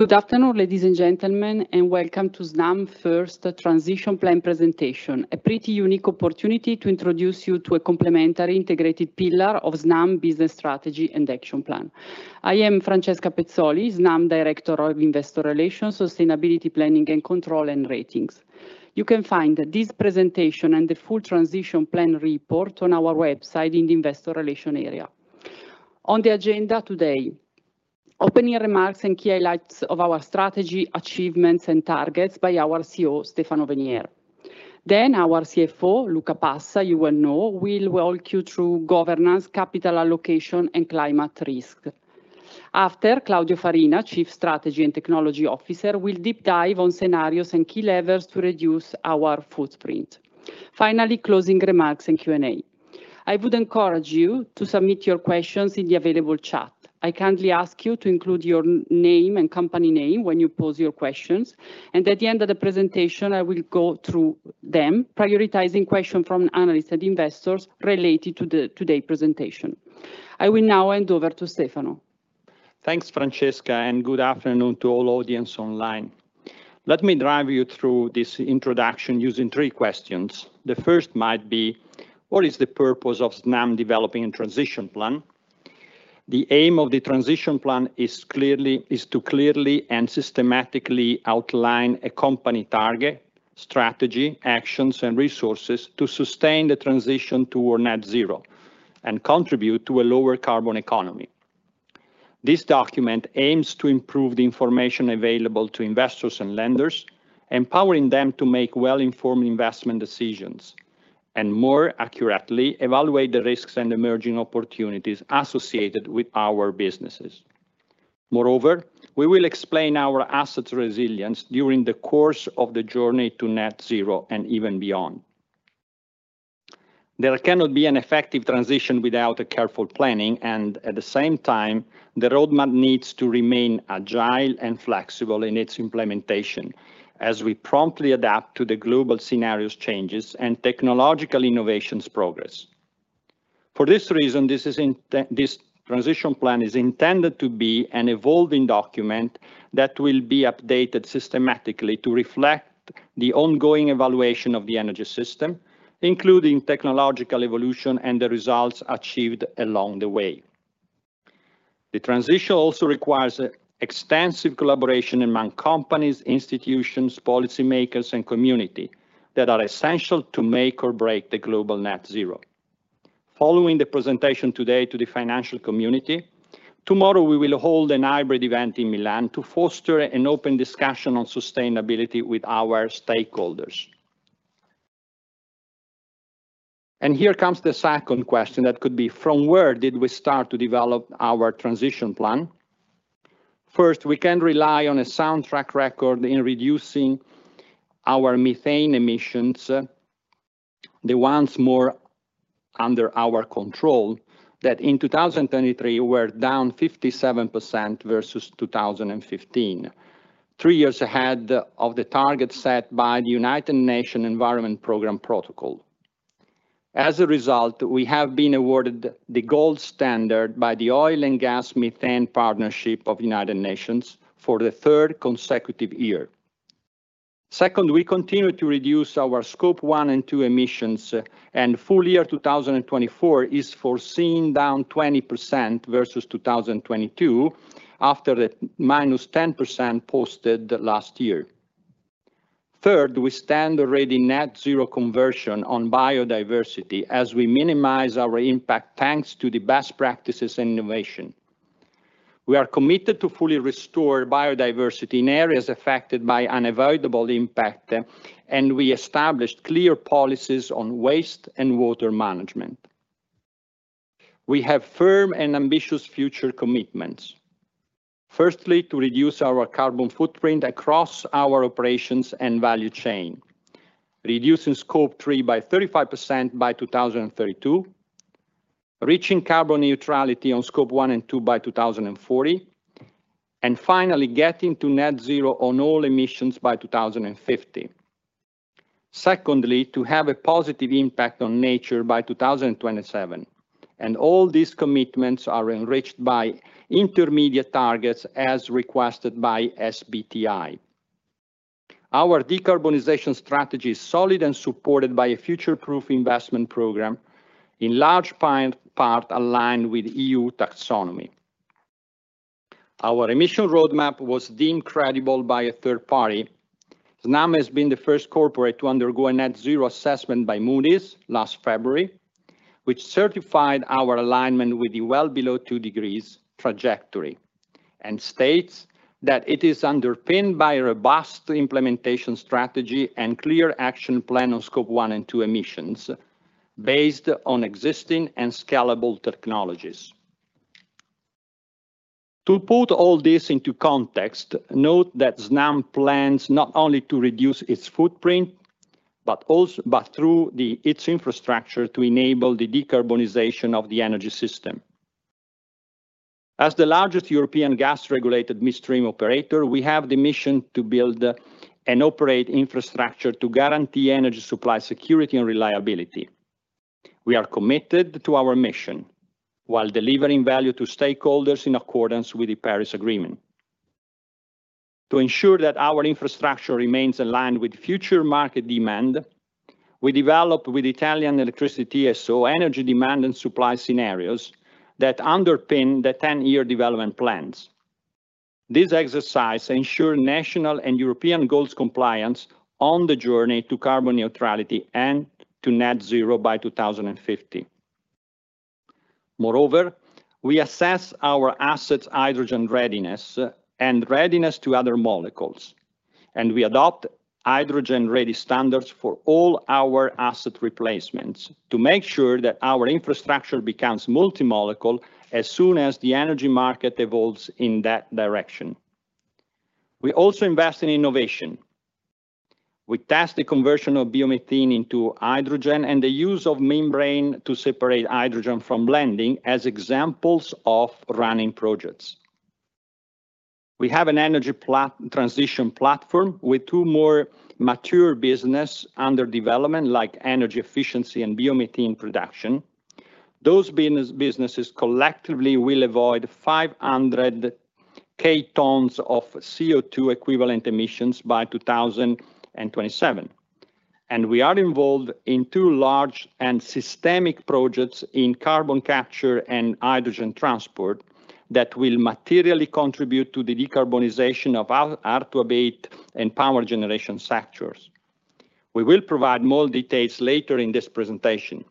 Good afternoon, ladies and gentlemen, and welcome to Snam's first transition plan presentation, a pretty unique opportunity to introduce you to a complementary integrated pillar of Snam business strategy and action plan. I am Francesca Pezzoli, Snam Director of Investor Relations, Sustainability, Planning and Control, and Ratings. You can find this presentation and the full transition plan report on our website in the investor relations area. On the agenda today, opening remarks and key highlights of our strategy, achievements, and targets by our CEO, Stefano Venier. Then our CFO, Luca Passa, you will know, will walk you through governance, capital allocation, and climate risk. After, Claudio Farina, Chief Strategy and Technology Officer, will deep dive on scenarios and key levers to reduce our footprint. Finally, closing remarks and Q&A. I would encourage you to submit your questions in the available chat. I kindly ask you to include your name and company name when you pose your questions, and at the end of the presentation, I will go through them, prioritizing questions from analysts and investors related to today's presentation. I will now hand over to Stefano. Thanks, Francesca, and good afternoon to all audience online. Let me drive you through this introduction using three questions. The first might be: what is the purpose of Snam developing a transition plan? The aim of the transition plan is to clearly and systematically outline a company target, strategy, actions, and resources to sustain the transition toward net zero and contribute to a lower carbon economy. This document aims to improve the information available to investors and lenders, empowering them to make well-informed investment decisions, and more accurately evaluate the risks and emerging opportunities associated with our businesses. Moreover, we will explain our assets resilience during the course of the journey to net zero and even beyond. There cannot be an effective transition without a careful planning, and at the same time, the roadmap needs to remain agile and flexible in its implementation, as we promptly adapt to the global scenarios changes and technological innovations progress. For this reason, this transition plan is intended to be an evolving document that will be updated systematically to reflect the ongoing evaluation of the energy system, including technological evolution and the results achieved along the way. The transition also requires extensive collaboration among companies, institutions, policymakers, and community that are essential to make or break the global net zero. Following the presentation today to the financial community, tomorrow, we will hold a hybrid event in Milan to foster an open discussion on sustainability with our stakeholders. Here comes the second question that could be: from where did we start to develop our transition plan? First, we can rely on a strong track record in reducing our methane emissions, the ones more under our control, that in 2023 were down 57% versus 2015. Three years ahead of the target set by the United Nations Environment Programme protocol. As a result, we have been awarded the Gold Standard by the Oil and Gas Methane Partnership of United Nations for the third consecutive year. Second, we continue to reduce our Scope 1 and 2 emissions, and full year2024 is foreseen down 20% versus 2022, after the -10% posted last year. Third, we stand already net zero conversion on biodiversity as we minimize our impact, thanks to the best practices and innovation. We are committed to fully restore biodiversity in areas affected by unavoidable impact, and we established clear policies on waste and water management. We have firm and ambitious future commitments. Firstly, to reduce our carbon footprint across our operations and value chain, reducing Scope 3 by 35% by 2032, reaching carbon neutrality on Scope 1 and 2 by 2040, and finally, getting to net zero on all emissions by 2050. Secondly, to have a positive impact on nature by 2027, and all these commitments are enriched by intermediate targets as requested by SBTi. Our decarbonization strategy is solid and supported by a future-proof investment program, in large part aligned with EU Taxonomy. Our emission roadmap was deemed credible by a third party. Snam has been the first corporate to undergo a Net Zero Assessment by Moody's last February, which certified our alignment with the well below two degrees trajectory, and states that it is underpinned by a robust implementation strategy and clear action plan on Scope 1 and 2 emissions based on existing and scalable technologies. To put all this into context, note that Snam plans not only to reduce its footprint, but also through its infrastructure to enable the decarbonization of the energy system. As the largest European gas-regulated midstream operator, we have the mission to build and operate infrastructure to guarantee energy supply, security, and reliability. We are committed to our mission, while delivering value to stakeholders in accordance with the Paris Agreement. To ensure that our infrastructure remains aligned with future market demand, we develop with Italian electricity TSO, energy demand and supply scenarios that underpin the 10-Year Development Plans. This exercise ensure national and European goals compliance on the journey to carbon neutrality and to net zero by 2050. Moreover, we assess our assets, hydrogen readiness, and readiness to other molecules, and we adopt hydrogen-ready standards for all our asset replacements to make sure that our infrastructure becomes multi-molecule as soon as the energy market evolves in that direction. We also invest in innovation. We test the conversion of biomethane into hydrogen and the use of membrane to separate hydrogen from blending as examples of running projects. We have an energy transition platform with two more mature business under development, like energy efficiency and biomethane production. Those businesses collectively will avoid 500,000 tons of CO2 equivalent emissions by 2027, and we are involved in two large and systemic projects in carbon capture and hydrogen transport that will materially contribute to the decarbonization of our heat and power generation sectors. We will provide more details later in this presentation.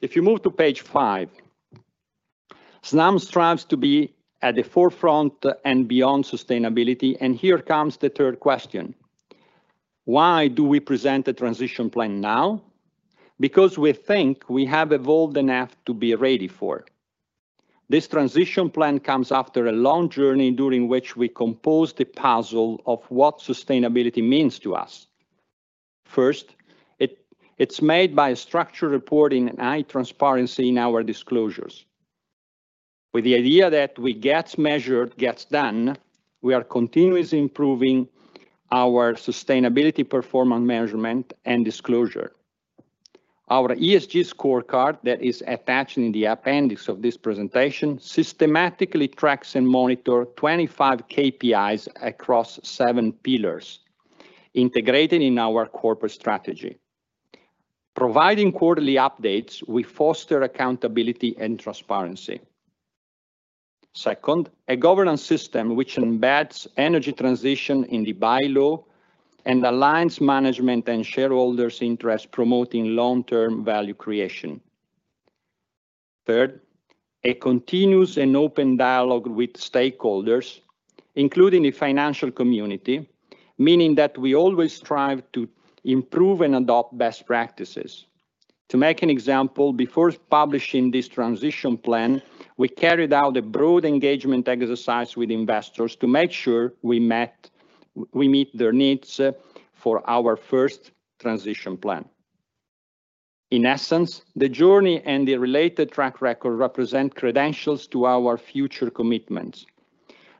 If you move to page 5, Snam strives to be at the forefront and beyond sustainability, and here comes the third question: Why do we present a transition plan now? Because we think we have evolved enough to be ready for it. This transition plan comes after a long journey, during which we composed the puzzle of what sustainability means to us. First, it's made by a structured reporting and high transparency in our disclosures. With the idea that what gets measured gets done, we are continuously improving our sustainability performance measurement and disclosure. Our ESG scorecard, that is attached in the appendix of this presentation, systematically tracks and monitor 25 KPIs across seven pillars, integrated in our corporate strategy. Providing quarterly updates, we foster accountability and transparency. Second, a governance system which embeds energy transition in the bylaw and aligns management and shareholders' interest, promoting long-term value creation. Third, a continuous and open dialogue with stakeholders, including the financial community, meaning that we always strive to improve and adopt best practices. To make an example, before publishing this transition plan, we carried out a broad engagement exercise with investors to make sure we met - we meet their needs for our first transition plan. In essence, the journey and the related track record represent credentials to our future commitments.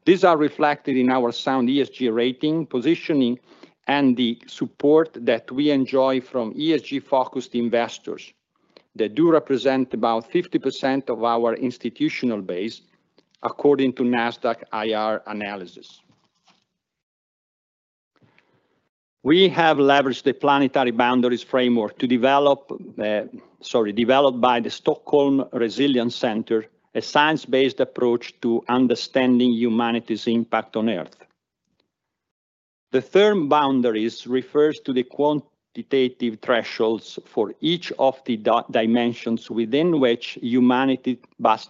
These are reflected in our sound ESG rating, positioning, and the support that we enjoy from ESG-focused investors, that do represent about 50% of our institutional base, according to Nasdaq IR analysis. We have leveraged the Planetary Boundaries framework, developed by the Stockholm Resilience Centre, to develop a science-based approach to understanding humanity's impact on Earth. The term boundaries refers to the quantitative thresholds for each of the dimensions within which humanity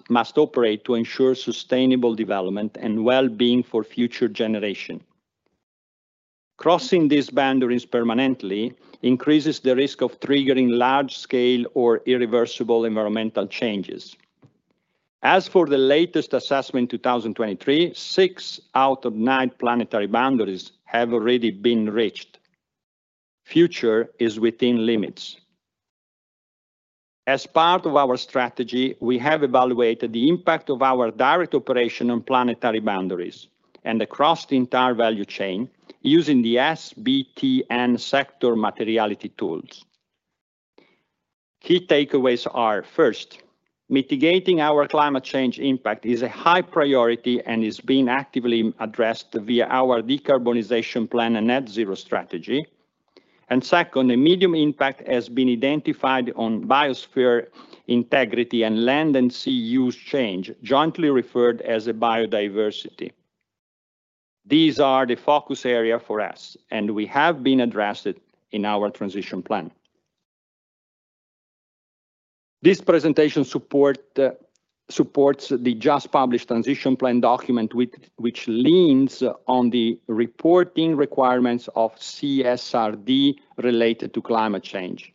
must operate to ensure sustainable development and well-being for future generation. Crossing these boundaries permanently increases the risk of triggering large-scale or irreversible environmental changes. As for the latest assessment, 2023, six out of nine planetary boundaries have already been reached. Future is within limits. As part of our strategy, we have evaluated the impact of our direct operation on planetary boundaries and across the entire value chain using the SBT and sector materiality tools. Key takeaways are, first, mitigating our climate change impact is a high priority and is being actively addressed via our decarbonization plan and net zero strategy. And second, a medium impact has been identified on biosphere integrity and land and sea use change, jointly referred to as biodiversity. These are the focus area for us, and we have addressed it in our transition plan. This presentation supports the just published transition plan document, which leans on the reporting requirements of CSRD related to climate change.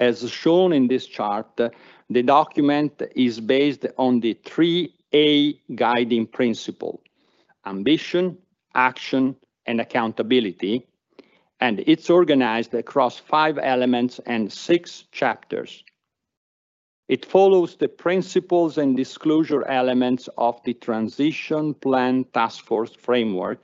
As shown in this chart, the document is based on the three A guiding principle: ambition, action, and accountability, and it's organized across five elements and six chapters. It follows the principles and disclosure elements of the Transition Plan Taskforce framework.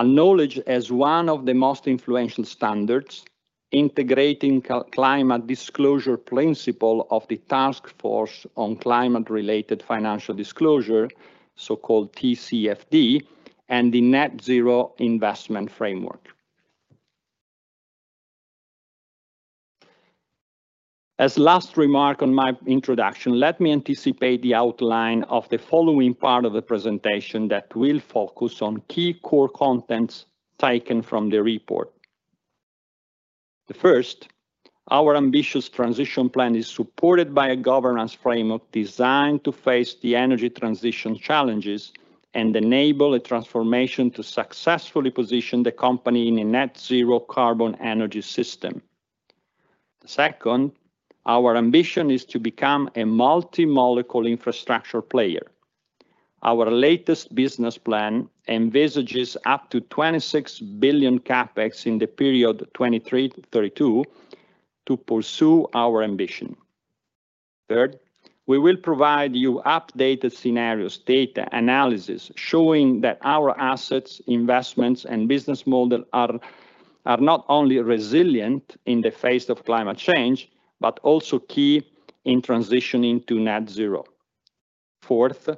Acknowledged as one of the most influential standards, integrating climate disclosure principle of the Task Force on Climate-related Financial Disclosures, so-called TCFD, and the Net Zero Investment Framework. As a last remark on my introduction, let me anticipate the outline of the following part of the presentation that will focus on key core contents taken from the report. First, our ambitious transition plan is supported by a governance framework designed to face the energy transition challenges and enable a transformation to successfully position the company in a net zero carbon energy system. Second, our ambition is to become a multi-molecule infrastructure player. Our latest business plan envisages up to 26 billion CapEx in the period 2023 to 2032 to pursue our ambition. Third, we will provide you updated scenarios, data analysis, showing that our assets, investments, and business model are not only resilient in the face of climate change, but also key in transitioning to net zero. Fourth,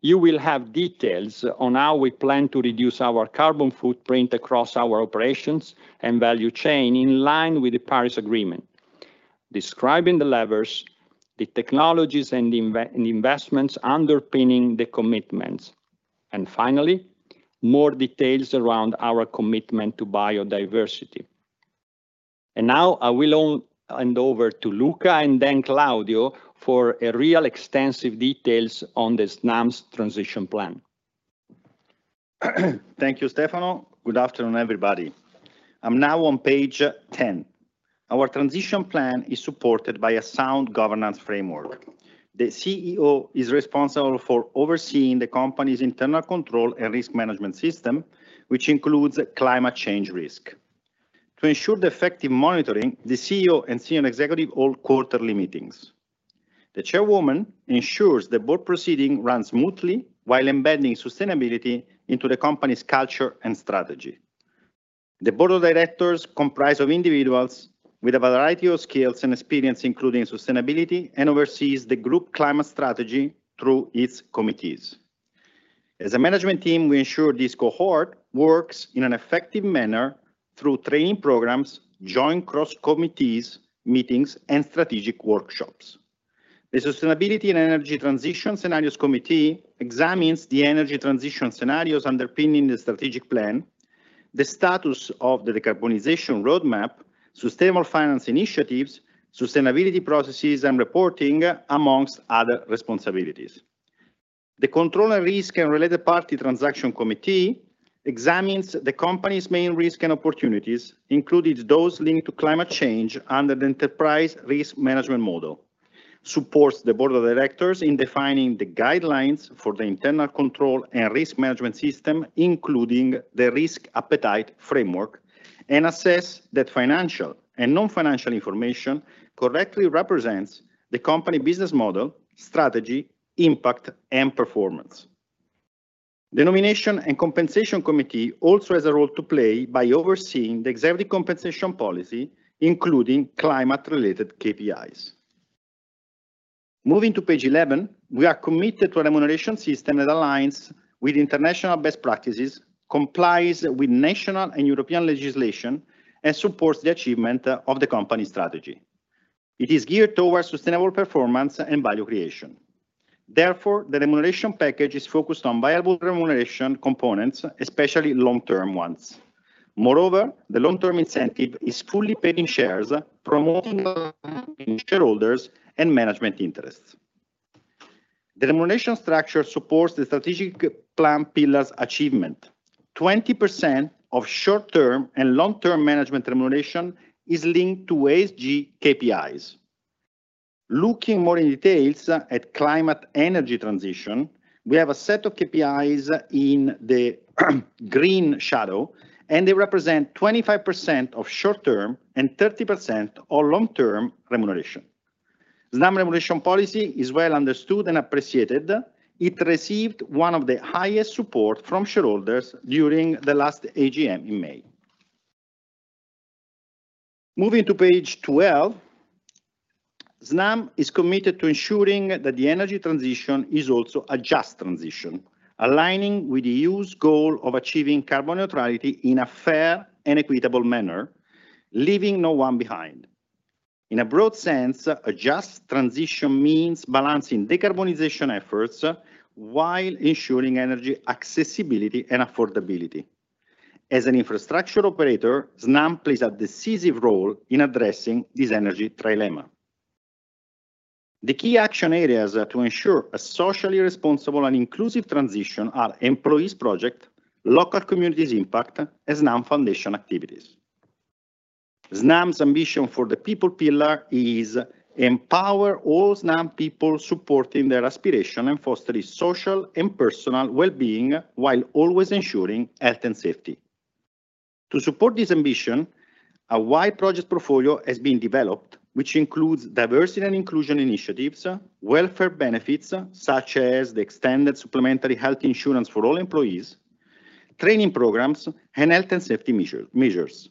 you will have details on how we plan to reduce our carbon footprint across our operations and value chain in line with the Paris Agreement, describing the levers, the technologies, and the investments underpinning the commitments. And finally, more details around our commitment to biodiversity. And now, I will hand over to Luca and then Claudio for a real extensive details on Snam's transition plan. Thank you, Stefano. Good afternoon, everybody. I'm now on page ten. Our transition plan is supported by a sound governance framework. The CEO is responsible for overseeing the company's internal control and risk management system, which includes climate change risk. To ensure the effective monitoring, the CEO and senior executive hold quarterly meetings. The Chairwoman ensures the board proceeding runs smoothly while embedding sustainability into the company's culture and strategy. The board of directors comprise of individuals with a variety of skills and experience, including sustainability, and oversees the group climate strategy through its committees. As a management team, we ensure this cohort works in an effective manner through training programs, joint cross-committees, meetings, and strategic workshops. The Sustainability and Energy Transition Scenarios Committee examines the energy transition scenarios underpinning the strategic plan, the status of the decarbonization roadmap, sustainable finance initiatives, sustainability processes, and reporting, among other responsibilities. The Control and Risk and Related Party Transaction Committee examines the company's main risk and opportunities, including those linked to climate change under the Enterprise Risk Management Model, supports the board of directors in defining the guidelines for the internal control and risk management system, including the risk appetite framework, and assess that financial and non-financial information correctly represents the company business model, strategy, impact, and performance. The Nomination and Compensation Committee also has a role to play by overseeing the executive compensation policy, including climate-related KPIs. Moving to page eleven, we are committed to a remuneration system that aligns with international best practices, complies with national and European legislation, and supports the achievement of the company's strategy. It is geared towards sustainable performance and value creation. Therefore, the remuneration package is focused on viable remuneration components, especially long-term ones. Moreover, the long-term incentive is fully paid in shares, promoting shareholders and management interests. The remuneration structure supports the strategic plan pillars achievement. 20% of short-term and long-term management remuneration is linked to ESG KPIs. Looking more in details at climate energy transition, we have a set of KPIs in the green shadow, and they represent 25% of short-term and 30% of long-term remuneration. Snam remuneration policy is well understood and appreciated. It received one of the highest support from shareholders during the last AGM in May. Moving to page 12, Snam is committed to ensuring that the energy transition is also a just transition, aligning with the EU's goal of achieving carbon neutrality in a fair and equitable manner, leaving no one behind. In a broad sense, a just transition means balancing decarbonization efforts while ensuring energy accessibility and affordability. As an infrastructure operator, Snam plays a decisive role in addressing this energy trilemma. The key action areas are to ensure a socially responsible and inclusive transition are employees project, local communities impact, and Snam Foundation activities. Snam's ambition for the people pillar is empower all Snam people, supporting their aspiration and foster social and personal well-being, while always ensuring health and safety. To support this ambition, a wide project portfolio has been developed, which includes diversity and inclusion initiatives, welfare benefits, such as the extended supplementary health insurance for all employees, training programs, and health and safety measures.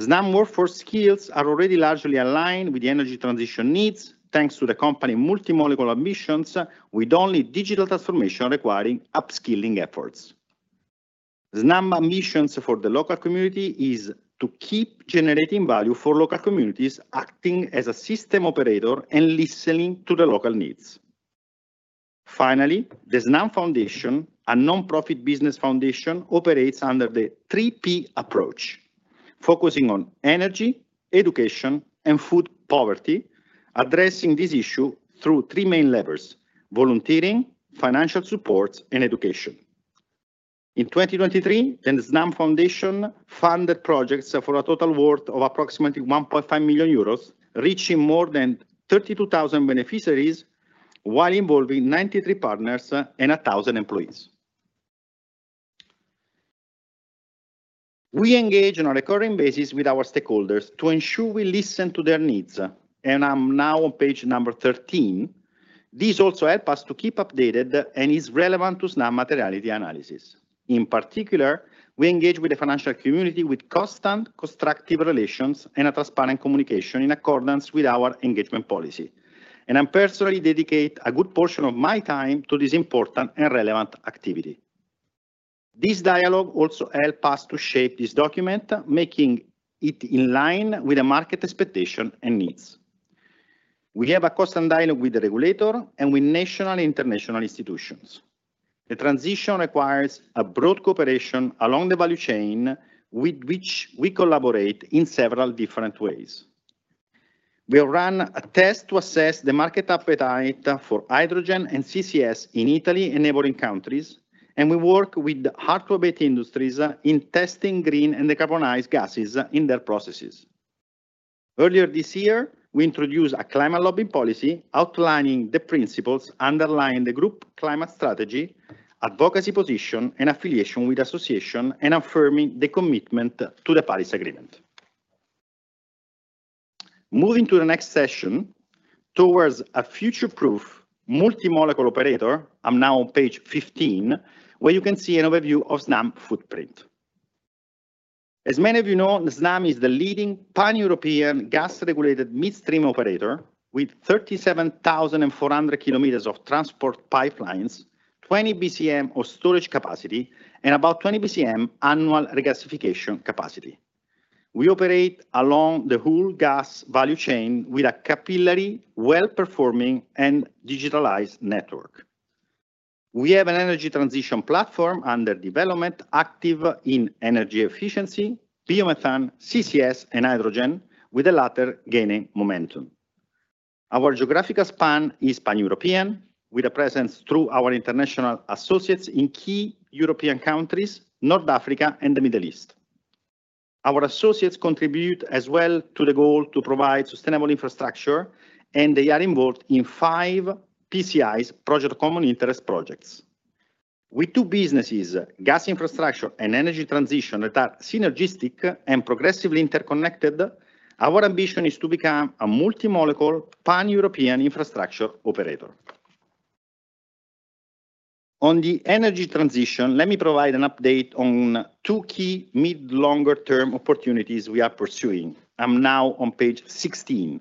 Snam workforce skills are already largely aligned with the energy transition needs, thanks to the company multi-molecule ambitions, with only digital transformation requiring upskilling efforts. Snam ambitions for the local community is to keep generating value for local communities, acting as a system operator and listening to the local needs. Finally, the Snam Foundation, a nonprofit business foundation, operates under the three P approach, focusing on energy, education, and food poverty, addressing this issue through three main levers: volunteering, financial support, and education. In 2023, the Snam Foundation funded projects for a total worth of approximately 1.5 million euros, reaching more than 32,000 beneficiaries, while involving 93 partners and 1,000 employees. We engage on a recurring basis with our stakeholders to ensure we listen to their needs, and I'm now on page 13. This also help us to keep updated and is relevant to Snam materiality analysis. In particular, we engage with the financial community with constant constructive relations and a transparent communication in accordance with our engagement policy, and I personally dedicate a good portion of my time to this important and relevant activity. This dialogue also helps us to shape this document, making it in line with the market expectation and needs. We have a constant dialogue with the regulator and with national and international institutions. The transition requires a broad cooperation along the value chain, with which we collaborate in several different ways. We run a test to assess the market appetite for hydrogen and CCS in Italy and neighboring countries, and we work with the hard-to-abate industries in testing green and decarbonized gases in their processes. Earlier this year, we introduced a climate lobbying policy outlining the principles underlying the group climate strategy, advocacy position, and affiliation with association, and affirming the commitment to the Paris Agreement. Moving to the next session, towards a future-proof, multi-molecule operator. I'm now on page fifteen, where you can see an overview of Snam's footprint. As many of you know, Snam is the leading pan-European gas-regulated midstream operator, with 37,400 km of transport pipelines, 20 BCM of storage capacity, and about 20 BCM annual regasification capacity. We operate along the whole gas value chain with a capillary, well-performing, and digitalized network. We have an energy transition platform under development, active in energy efficiency, biomethane, CCS, and hydrogen, with the latter gaining momentum. Our geographical span is pan-European, with a presence through our international associates in key European countries, North Africa, and the Middle East. Our associates contribute as well to the goal to provide sustainable infrastructure, and they are involved in five PCIs, Projects of Common Interest projects. With two businesses, gas infrastructure and energy transition, that are synergistic and progressively interconnected, our ambition is to become a multi-molecule, pan-European infrastructure operator. On the energy transition, let me provide an update on two key mid longer-term opportunities we are pursuing. I'm now on page 16.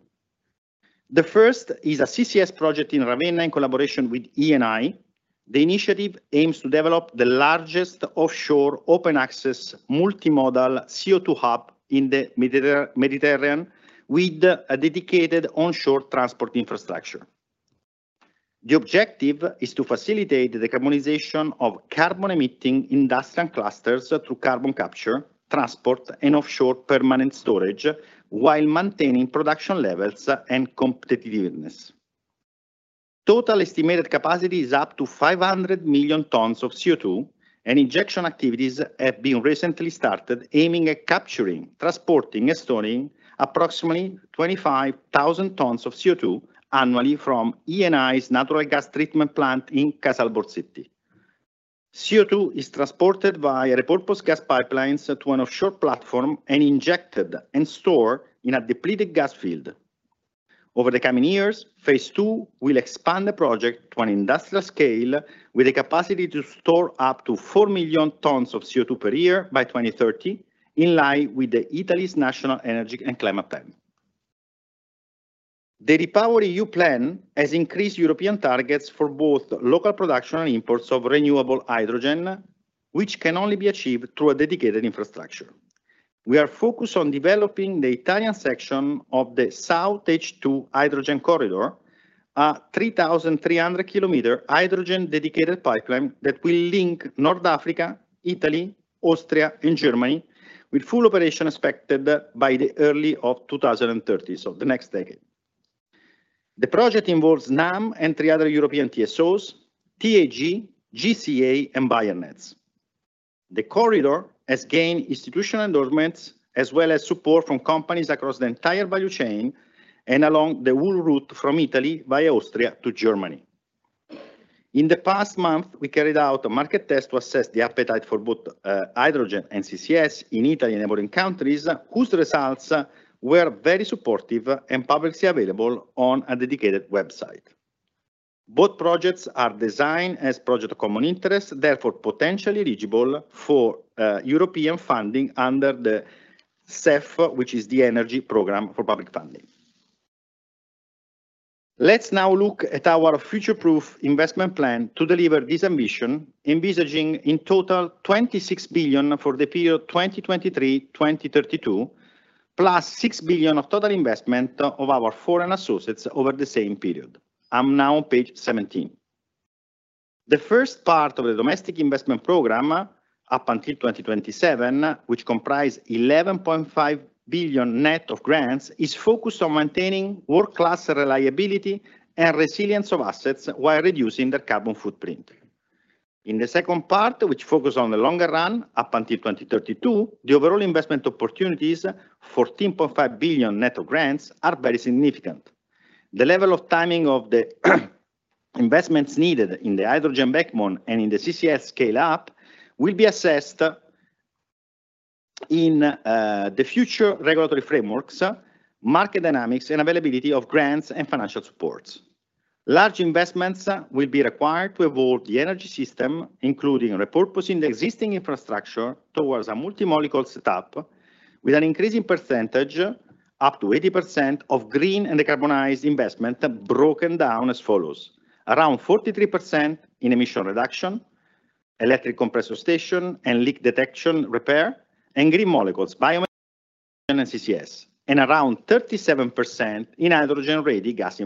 The first is a CCS project in Ravenna, in collaboration with Eni. The initiative aims to develop the largest offshore open-access multimodal CO2 hub in the Mediterranean, with a dedicated onshore transport infrastructure. The objective is to facilitate the decarbonization of carbon-emitting industrial clusters through carbon capture, transport, and offshore permanent storage, while maintaining production levels and competitiveness. Total estimated capacity is up to 500 million tons of CO2, and injection activities have been recently started, aiming at capturing, transporting, and storing approximately 25,000 tons of CO2 annually from Eni's natural gas treatment plant in Casalborsetti. CO2 is transported via repurposed gas pipelines to an offshore platform and injected and stored in a depleted gas field. Over the coming years, phase two will expand the project to an industrial scale, with a capacity to store up to 4 million tons of CO2 per year by 2030, in line with Italy's National Energy and Climate Plan. The REPowerEU Plan has increased European targets for both local production and imports of renewable hydrogen, which can only be achieved through a dedicated infrastructure. We are focused on developing the Italian section of the SoutH2 Corridor, a 3,300 km hydrogen-dedicated pipeline that will link North Africa, Italy, Austria, and Germany, with full operation expected by the early 2030s, so the next decade. The project involves Snam and three other European TSOs, TAG, GCA, and Bayernets. The corridor has gained institutional endorsements, as well as support from companies across the entire value chain and along the whole route from Italy, via Austria, to Germany. In the past month, we carried out a market test to assess the appetite for both, hydrogen and CCS in Italy and neighboring countries, whose results were very supportive and publicly available on a dedicated website. Both projects are designed as projects of common interest, therefore, potentially eligible for, European funding under the CEF, which is the energy program for public funding. Let's now look at our future-proof investment plan to deliver this ambition, envisaging in total 26 billion for the period 2023-2032, +6 billion of total investment of our foreign associates over the same period. I'm now on page 17. The first part of the domestic investment program, up until 2027, which comprise 11.5 billion net of grants, is focused on maintaining world-class reliability and resilience of assets while reducing the carbon footprint. In the second part, which focus on the longer run, up until 2032, the overall investment opportunities, 14.5 billion net of grants, are very significant. The level of timing of the investments needed in the hydrogen backbone and in the CCS scale-up will be assessed in the future regulatory frameworks, market dynamics, and availability of grants and financial supports. Large investments will be required to evolve the energy system, including repurposing the existing infrastructure towards a multi-molecule setup, with an increasing percentage, up to 80%, of green and decarbonized investment broken down as follows: around 43% in emission reduction, electric compressor station, and leak detection repair, and green molecules, biomethane and CCS, and around 37% in hydrogen-ready gas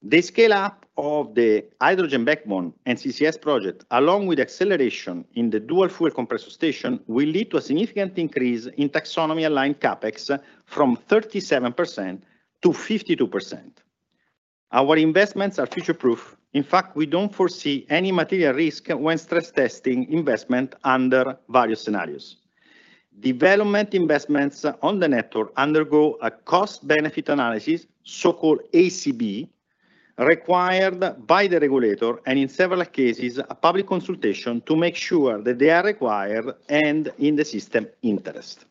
infrastructure. The scale-up of the hydrogen backbone and CCS project, along with acceleration in the dual fuel compressor station, will lead to a significant increase in Taxonomy-aligned CapEx from 37% to 52%. Our investments are future-proof. In fact, we don't foresee any material risk when stress testing investment under various scenarios. Development investments on the network undergo a cost-benefit analysis, so-called CBA, required by the regulator and, in several cases, a public consultation to make sure that they are required and in the system interest.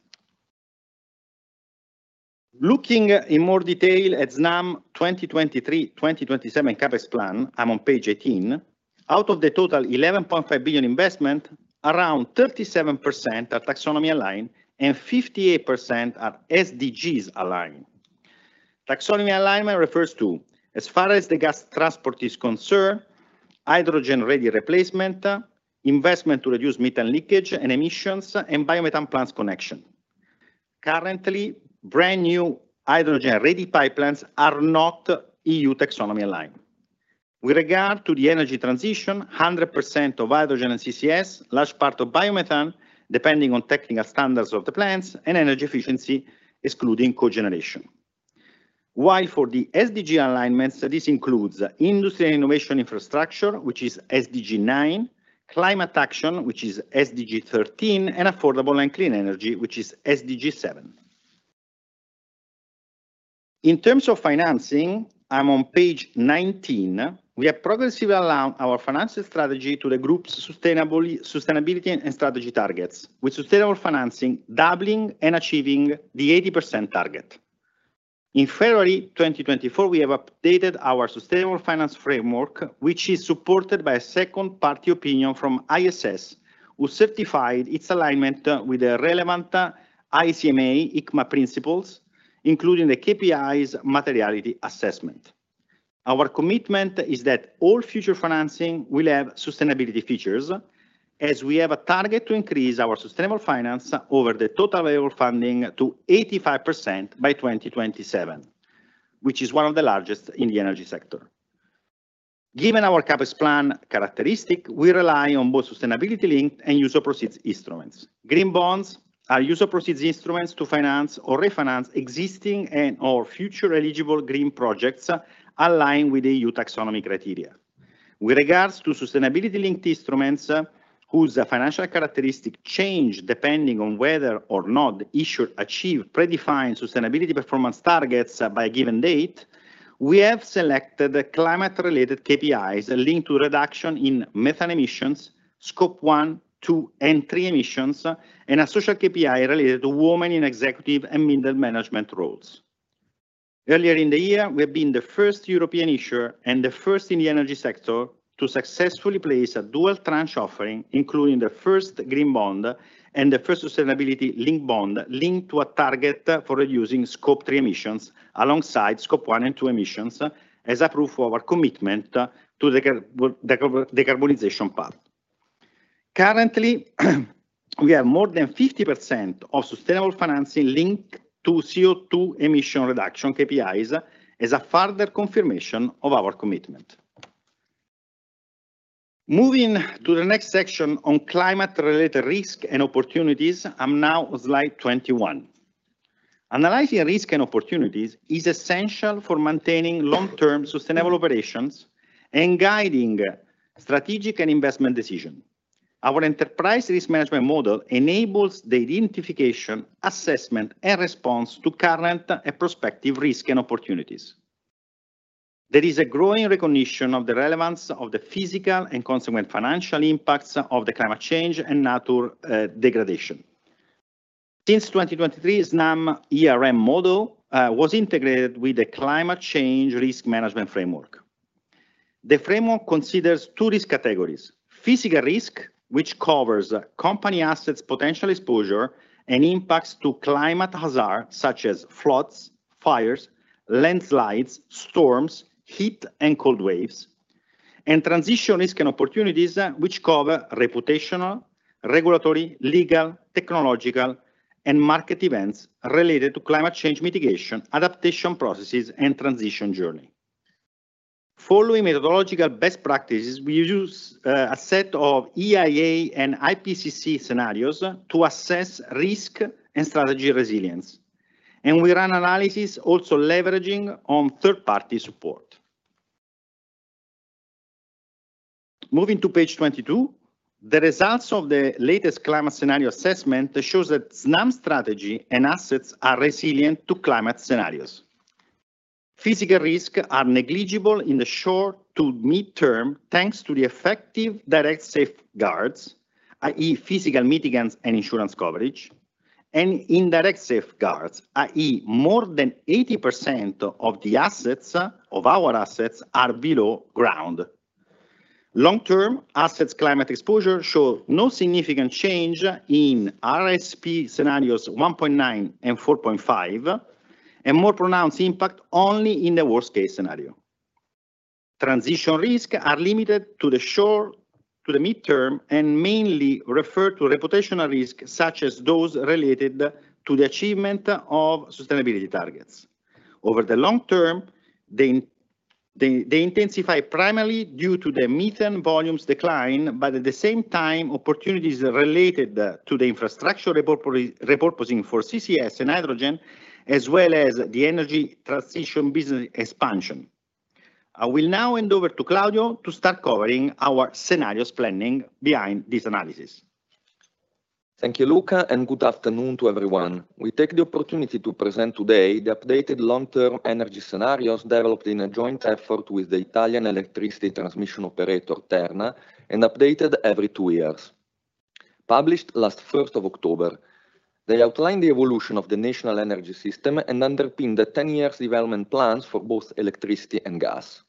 Looking in more detail at Snam 2023-2027 CapEx plan, I'm on page 18. Out of the total 11.5 billion investment, around 37% are Taxonomy-aligned, and 58% are SDGs-aligned. Taxonomy alignment refers to, as far as the gas transport is concerned, hydrogen-ready replacement, investment to reduce methane leakage and emissions, and biomethane plants connection. Currently, brand-new hydrogen-ready pipelines are not EU Taxonomy-aligned. With regard to the energy transition, 100% of hydrogen and CCS, large part of biomethane, depending on technical standards of the plants and energy efficiency, excluding cogeneration. While for the SDG alignments, this includes industry and innovation infrastructure, which is SDG 9, climate action, which is SDG 13, and affordable and clean energy, which is SDG 7. In terms of financing, I'm on page 19, we have progressively aligned our financial strategy to the group's sustainability and strategy targets, with sustainable financing doubling and achieving the 80% target. In February 2024, we have updated our Sustainable Finance Framework, which is supported by a second-party opinion from ISS, who certified its alignment with the relevant ICMA principles, including the KPIs materiality assessment. Our commitment is that all future financing will have sustainability features, as we have a target to increase our sustainable finance over the total available funding to 85% by 2027, which is one of the largest in the energy sector. Given our CapEx plan characteristic, we rely on both sustainability-linked and use-of-proceeds instruments. Green bonds are use-of-proceeds instruments to finance or refinance existing and/or future eligible green projects aligned with the EU Taxonomy criteria. With regards to sustainability-linked instruments, whose financial characteristic change depending on whether or not the issuer achieve predefined sustainability performance targets by a given date, we have selected the climate-related KPIs linked to reduction in methane emissions, Scope 1, 2, and 3 emissions, and a social KPI related to women in executive and middle management roles. Earlier in the year, we have been the first European issuer and the first in the energy sector to successfully place a dual tranche offering, including the first Green Bond and the first Sustainability-Linked Bond, linked to a target for reducing Scope 3 emissions alongside Scope 1 and 2 emissions, as a proof of our commitment to the decarbonization path. Currently, we have more than 50% of sustainable financing linked to CO2 emission reduction KPIs as a further confirmation of our commitment. Moving to the next section on climate-related risk and opportunities. I'm now on slide 21. Analyzing risk and opportunities is essential for maintaining long-term sustainable operations and guiding strategic and investment decisions. Our enterprise risk management model enables the identification, assessment, and response to current and prospective risk and opportunities. There is a growing recognition of the relevance of the physical and consequent financial impacts of the climate change and natural degradation. Since 2023, Snam ERM model was integrated with the climate change risk management framework. The framework considers two risk categories: physical risk, which covers company assets, potential exposure, and impacts to climate hazard, such as floods, fires, landslides, storms, heat and cold waves, and transition risk and opportunities, which cover reputational, regulatory, legal, technological, and market events related to climate change mitigation, adaptation processes, and transition journey. Following methodological best practices, we use a set of IEA and IPCC scenarios to assess risk and strategy resilience, and we run analysis also leveraging on third-party support. Moving to page 22, the results of the latest climate scenario assessment shows that Snam strategy and assets are resilient to climate scenarios. Physical risk are negligible in the short to mid-term, thanks to the effective direct safeguards, i.e., physical mitigants and insurance coverage, and indirect safeguards, i.e., more than 80% of the assets, of our assets are below ground. Long-term assets climate exposure show no significant change in SSP scenarios 1.9 and 4.5, and more pronounced impact only in the worst-case scenario. Transition risk are limited to the short, to the mid-term, and mainly refer to reputational risk, such as those related to the achievement of sustainability targets. Over the long term, they intensify primarily due to the methane volumes decline, but at the same time, opportunities related to the infrastructure repurposing for CCS and hydrogen, as well as the energy transition business expansion. I will now hand over to Claudio to start covering our scenarios planning behind this analysis. Thank you, Luca, and good afternoon to everyone. We take the opportunity to present today the updated long-term energy scenarios developed in a joint effort with the Italian Electricity Transmission Operator, Terna, and updated every two years. Published on the first of October, they outlined the evolution of the national energy system and underpinned the 10-year development plans for both electricity and gas.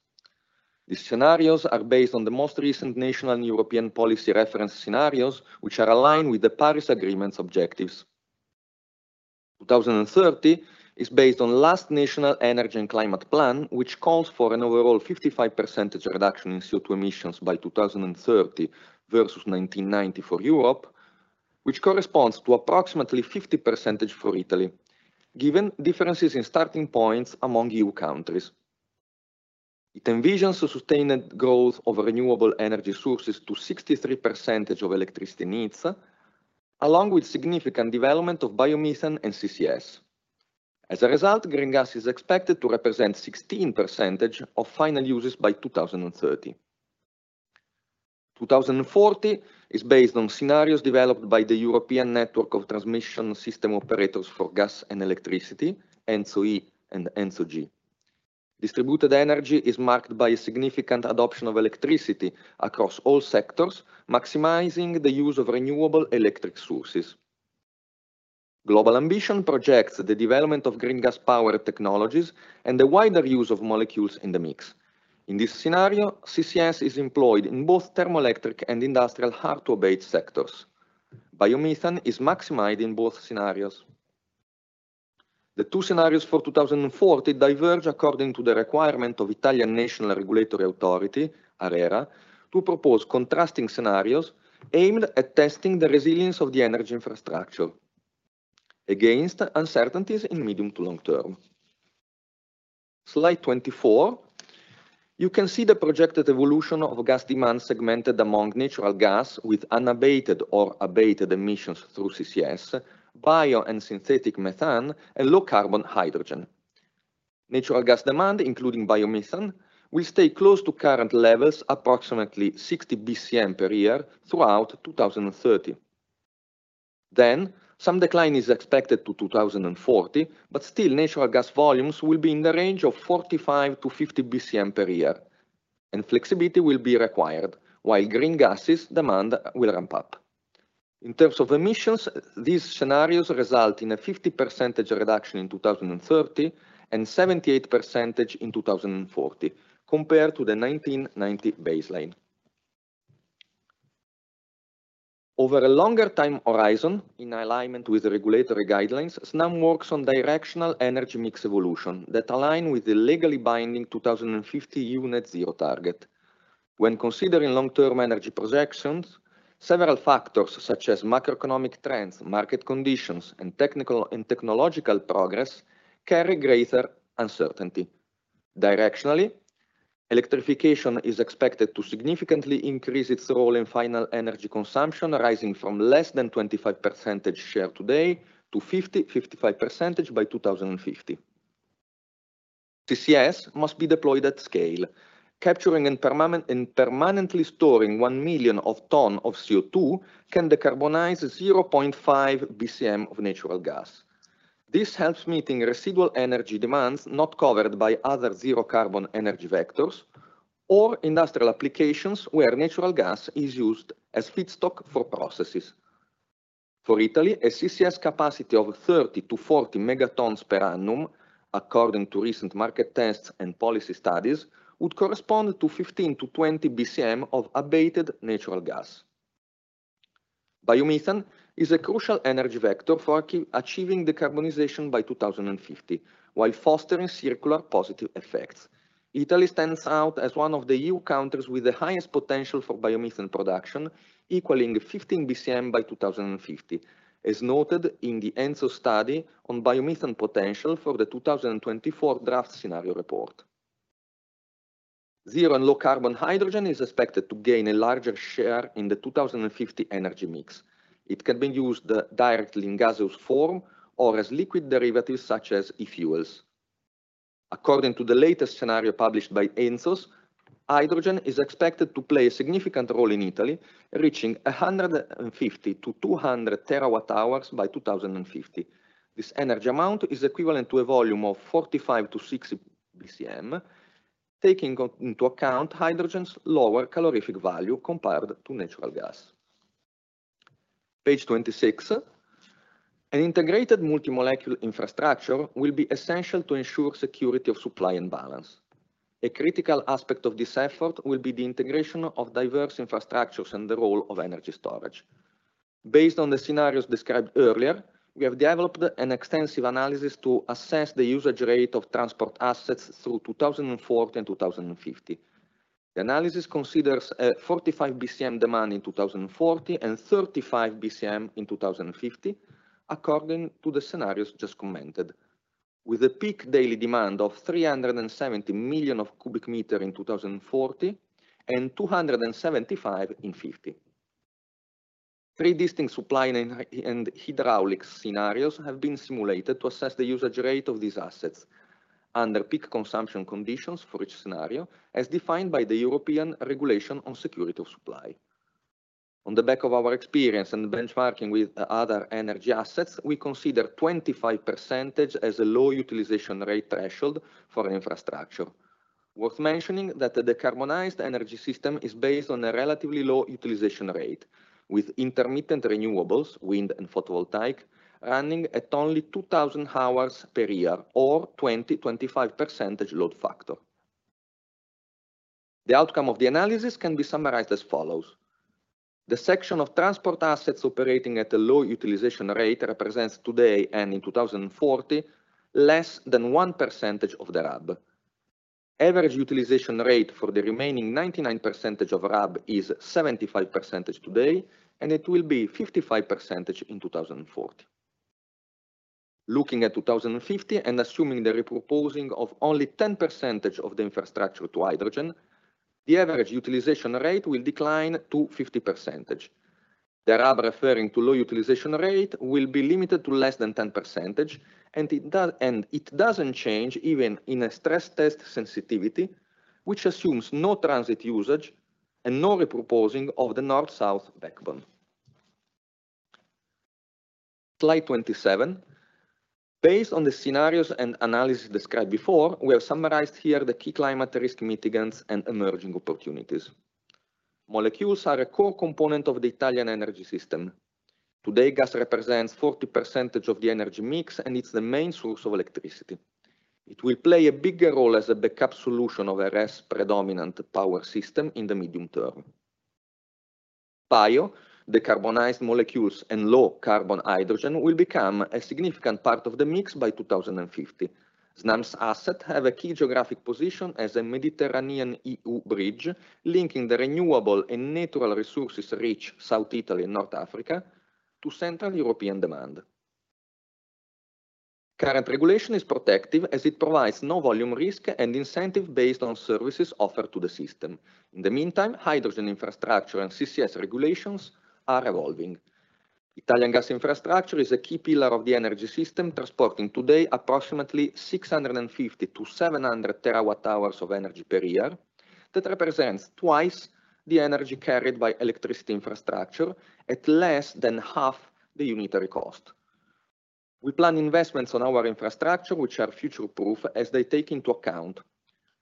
These scenarios are based on the most recent national and European policy reference scenarios, which are aligned with the Paris Agreement's objectives. 2030 is based on last national energy and climate plan, which calls for an overall 55% reduction in CO2 emissions by 2030 versus 1990 for Europe, which corresponds to approximately 50% for Italy, given differences in starting points among EU countries. It envisions a sustained growth of renewable energy sources to 63% of electricity needs, along with significant development of biomethane and CCS. As a result, green gas is expected to represent 16% of final uses by 2030. 2040 is based on scenarios developed by the European Network of Transmission System Operators for gas and electricity, ENTSO-E and ENTSOG. Distributed Energy is marked by a significant adoption of electricity across all sectors, maximizing the use of renewable electric sources. Global Ambition projects the development of green gas power technologies and the wider use of molecules in the mix. In this scenario, CCS is employed in both thermoelectric and industrial hard-to-abate sectors. Biomethane is maximized in both scenarios. The two scenarios for 2040 diverge according to the requirement of Italian National Regulatory Authority, ARERA, to propose contrasting scenarios aimed at testing the resilience of the energy infrastructure against uncertainties in medium to long term. Slide 24, you can see the projected evolution of gas demand segmented among natural gas with unabated or abated emissions through CCS, bio and synthetic methane, and low-carbon hydrogen. Natural gas demand, including biomethane, will stay close to current levels, approximately 60 BCM per year, throughout 2030. Then, some decline is expected to 2040, but still, natural gas volumes will be in the range of 45-50 BCM per year, and flexibility will be required, while green gases demand will ramp up. In terms of emissions, these scenarios result in a 50% reduction in 2030, and 78% in 2040, compared to the 1990 baseline. Over a longer time horizon, in alignment with the regulatory guidelines, Snam works on directional energy mix evolution that align with the legally binding 2050 net zero target. When considering long-term energy projections, several factors, such as macroeconomic trends, market conditions, and technical and technological progress, carry greater uncertainty. Directionally, electrification is expected to significantly increase its role in final energy consumption, rising from less than 25% share today to 50%-55% by 2050. CCS must be deployed at scale, capturing and permanently storing 1 million tons of CO₂ can decarbonize 0.5 BCM of natural gas. This helps meeting residual energy demands not covered by other zero carbon energy vectors or industrial applications where natural gas is used as feedstock for processes. For Italy, a CCS capacity of thirty to forty megatons per annum, according to recent market tests and policy studies, would correspond to 15-20 BCM of abated natural gas. Biomethane is a crucial energy vector for achieving decarbonization by 2050, while fostering circular positive effects. Italy stands out as one of the EU countries with the highest potential for biomethane production, equaling fifteen BCM by 2050, as noted in the ENTSO study on biomethane potential for the 2024 draft scenario report. Zero and low carbon hydrogen is expected to gain a larger share in the 2050 energy mix. It can be used directly in gaseous form or as liquid derivatives, such as e-fuels. According to the latest scenario published by ENTSO, hydrogen is expected to play a significant role in Italy, reaching 150-200 terawatt-hours by 2050. This energy amount is equivalent to a volume of 45-60 BCM, taking into account hydrogen's lower calorific value compared to natural gas. Page 26. An integrated multi-molecular infrastructure will be essential to ensure security of supply and balance. A critical aspect of this effort will be the integration of diverse infrastructures and the role of energy storage. Based on the scenarios described earlier, we have developed an extensive analysis to assess the usage rate of transport assets through 2040 and 2050. The analysis considers a 45 BCM demand in 2040 and 35 BCM in 2050, according to the scenarios just commented, with a peak daily demand of 370 million cubic meters in 2040 and 275 in 2050. Three distinct supply and hydraulic scenarios have been simulated to assess the usage rate of these assets under peak consumption conditions for each scenario, as defined by the European Regulation on Security of Supply. On the back of our experience and benchmarking with other energy assets, we consider 25% as a low utilization rate threshold for infrastructure. Worth mentioning that the decarbonized energy system is based on a relatively low utilization rate, with intermittent renewables, wind and photovoltaic, running at only 2,000 hours per year or 25% load factor. The outcome of the analysis can be summarized as follows: The section of transport assets operating at a low utilization rate represents today, and in 2040, less than 1% of the RAB. Average utilization rate for the remaining 99% of RAB is 75% today, and it will be 55% in 2040. Looking at 2050 and assuming the repurposing of only 10% of the infrastructure to hydrogen, the average utilization rate will decline to 50%. The RAB referring to low utilization rate will be limited to less than 10%, and it doesn't change even in a stress test sensitivity, which assumes no transit usage and no repurposing of the North-South backbone. Slide 27. Based on the scenarios and analysis described before, we have summarized here the key climate risk mitigants and emerging opportunities. Molecules are a core component of the Italian energy system. Today, gas represents 40% of the energy mix, and it's the main source of electricity. It will play a bigger role as a backup solution of a less predominant power system in the medium term. Bio, decarbonized molecules and low-carbon hydrogen will become a significant part of the mix by 2050. Snam's assets have a key geographic position as a Mediterranean EU bridge, linking the renewable and natural resources-rich South Italy and North Africa to Central European demand. Current regulation is protective as it provides no volume risk and incentive based on services offered to the system. In the meantime, hydrogen infrastructure and CCS regulations are evolving. Italian gas infrastructure is a key pillar of the energy system, transporting today approximately 650-700 TWh of energy per year. That represents twice the energy carried by electricity infrastructure at less than half the unitary cost. We plan investments on our infrastructure, which are future-proof, as they take into account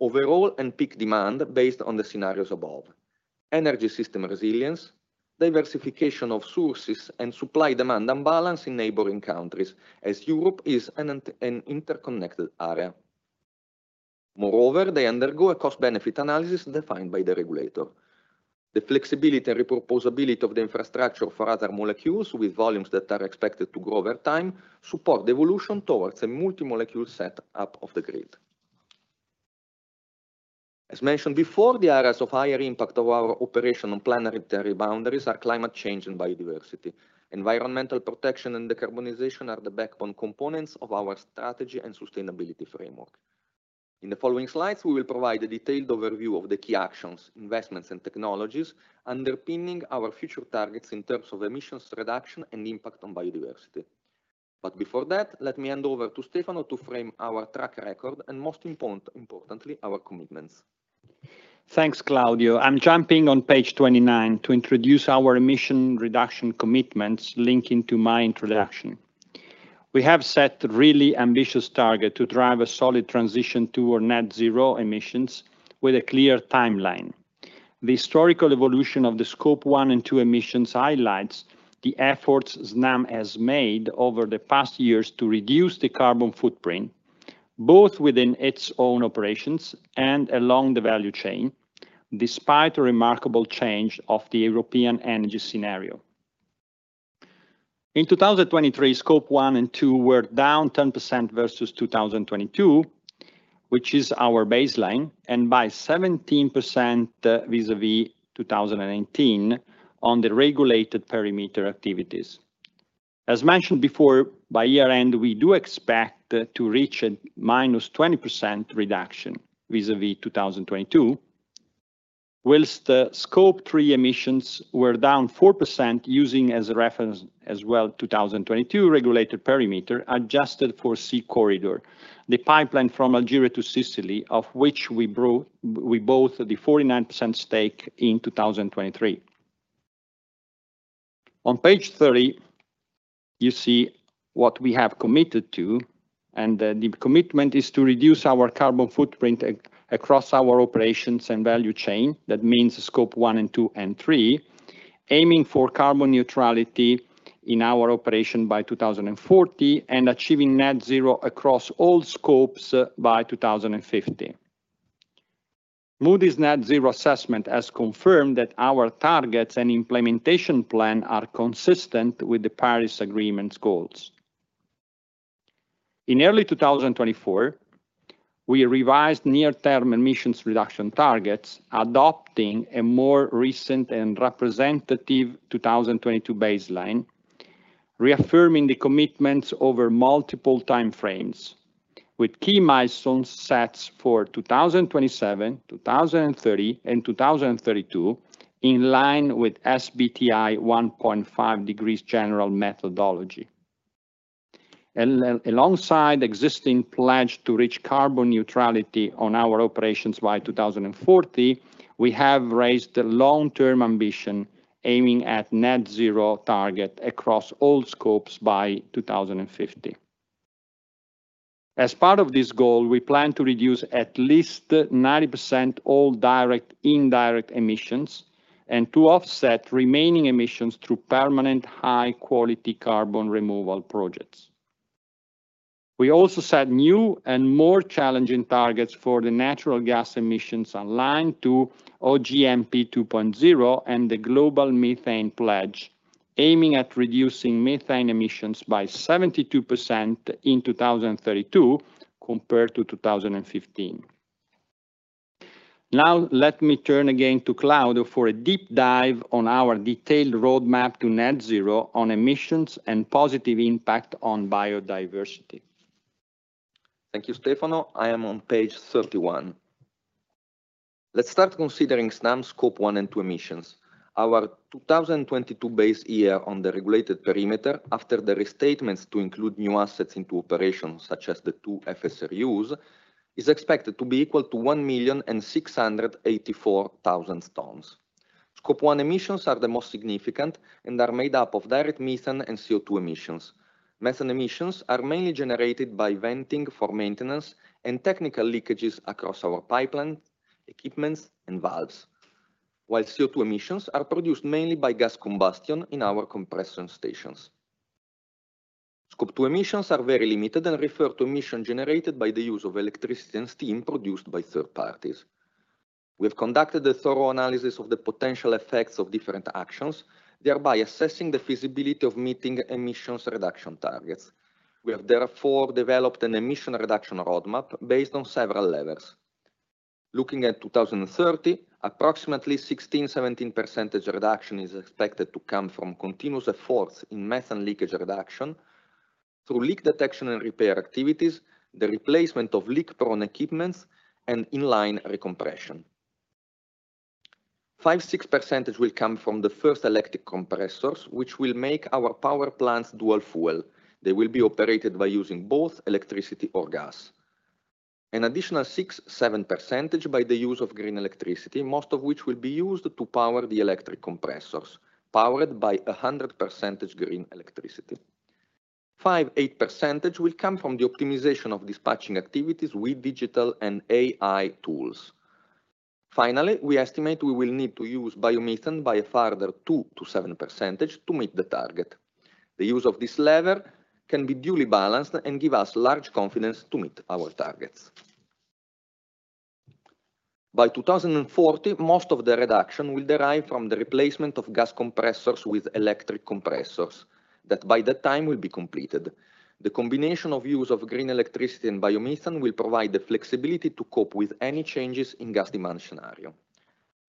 overall and peak demand based on the scenarios above, energy system resilience, diversification of sources, and supply-demand imbalance in neighboring countries, as Europe is an interconnected area. Moreover, they undergo a cost-benefit analysis defined by the regulator. The flexibility and repurposability of the infrastructure for other molecules, with volumes that are expected to grow over time, support the evolution towards a multi-molecule set up of the grid. As mentioned before, the areas of higher impact of our operation on planetary boundaries are climate change and biodiversity. Environmental protection and decarbonization are the backbone components of our strategy and sustainability framework. In the following slides, we will provide a detailed overview of the key actions, investments, and technologies underpinning our future targets in terms of emissions reduction and impact on biodiversity. But before that, let me hand over to Stefano to frame our track record, and most importantly, our commitments.... Thanks, Claudio. I'm jumping on page 29 to introduce our emission reduction commitments linking to my introduction. We have set a really ambitious target to drive a solid transition to our net zero emissions with a clear timeline. The historical evolution of the Scope 1 and 2 emissions highlights the efforts Snam has made over the past years to reduce the carbon footprint, both within its own operations and along the value chain, despite a remarkable change of the European energy scenario. In 2023, Scope 1 and 2 were down 10% versus 2022, which is our baseline, and by 17% vis-a-vis 2018 on the regulated perimeter activities. As mentioned before, by year-end, we do expect to reach a minus 20% reduction vis-a-vis 2022. While the Scope 3 emissions were down 4% using as a reference as well 2022 regulated perimeter, adjusted for SeaCorridor, the pipeline from Algeria to Sicily, of which we bought the 49% stake in 2023. On page 30, you see what we have committed to, and the commitment is to reduce our carbon footprint across our operations and value chain. That means Scope 1 and 2 and three, aiming for carbon neutrality in our operation by 2040, and achieving net zero across all scopes by 2050. Moody's Net Zero Assessment has confirmed that our targets and implementation plan are consistent with the Paris Agreement's goals. In early2024, we revised near-term emissions reduction targets, adopting a more recent and representative 2022 baseline, reaffirming the commitments over multiple timeframes, with key milestones set for 2027, 2030 and 2032, in line with SBTi one point five degrees general methodology. Alongside existing pledge to reach carbon neutrality on our operations by 2040, we have raised the long-term ambition, aiming at net zero target across all scopes by 2050. As part of this goal, we plan to reduce at least 90% all direct, indirect emissions, and to offset remaining emissions through permanent, high-quality carbon removal projects. We also set new and more challenging targets for the natural gas emissions aligned to OGMP 2.0 and the Global Methane Pledge, aiming at reducing methane emissions by 72% in 2032 compared to 2015. Now, let me turn again to Claudio for a deep dive on our detailed roadmap to net zero on emissions and positive impact on biodiversity. Thank you, Stefano. I am on page 31. Let's start considering Snam Scope 1 and 2 emissions. Our 2022 base year on the regulated perimeter, after the restatements to include new assets into operations, such as the two FSRUs, is expected to be equal to 1.684 million tons. Scope 1 emissions are the most significant and are made up of direct methane and CO2 emissions. Methane emissions are mainly generated by venting for maintenance and technical leakages across our pipeline, equipment and valves. While CO2 emissions are produced mainly by gas combustion in our compression stations. Scope 2 emissions are very limited and refer to emissions generated by the use of electricity and steam produced by third parties. We've conducted a thorough analysis of the potential effects of different actions, thereby assessing the feasibility of meeting emissions reduction targets. We have therefore developed an emission reduction roadmap based on several levels. Looking at 2030, approximately 16%-17% reduction is expected to come from continuous efforts in methane leakage reduction through leak detection and repair activities, the replacement of leak-prone equipment, and in-line recompression. 5%-6% will come from the first electric compressors, which will make our power plants dual fuel. They will be operated by using both electricity or gas. An additional 6%-7% by the use of green electricity, most of which will be used to power the electric compressors, powered by 100% green electricity. 5%-8% will come from the optimization of dispatching activities with digital and AI tools. Finally, we estimate we will need to use biomethane by a further 2%-7% to meet the target. The use of this lever can be duly balanced and give us large confidence to meet our targets. By 2040, most of the reduction will derive from the replacement of gas compressors with electric compressors, that by that time will be completed. The combination of use of green electricity and biomethane will provide the flexibility to cope with any changes in gas demand scenario.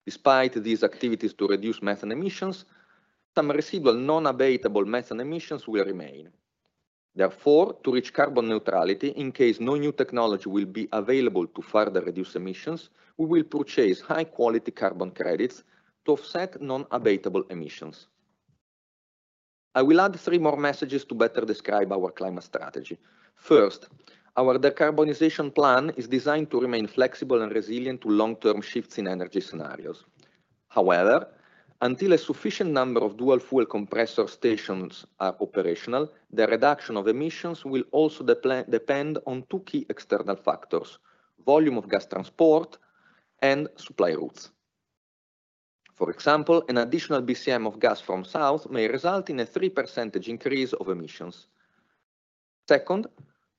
Despite these activities to reduce methane emissions, some residual non-abatable methane emissions will remain. Therefore, to reach carbon neutrality, in case no new technology will be available to further reduce emissions, we will purchase high-quality carbon credits to offset non-abatable emissions. I will add three more messages to better describe our climate strategy. First, our decarbonization plan is designed to remain flexible and resilient to long-term shifts in energy scenarios. However, until a sufficient number of dual-fuel compressor stations are operational, the reduction of emissions will also depend on two key external factors: volume of gas transport and supply routes. For example, an additional BCM of gas from south may result in a 3% increase of emissions. Second,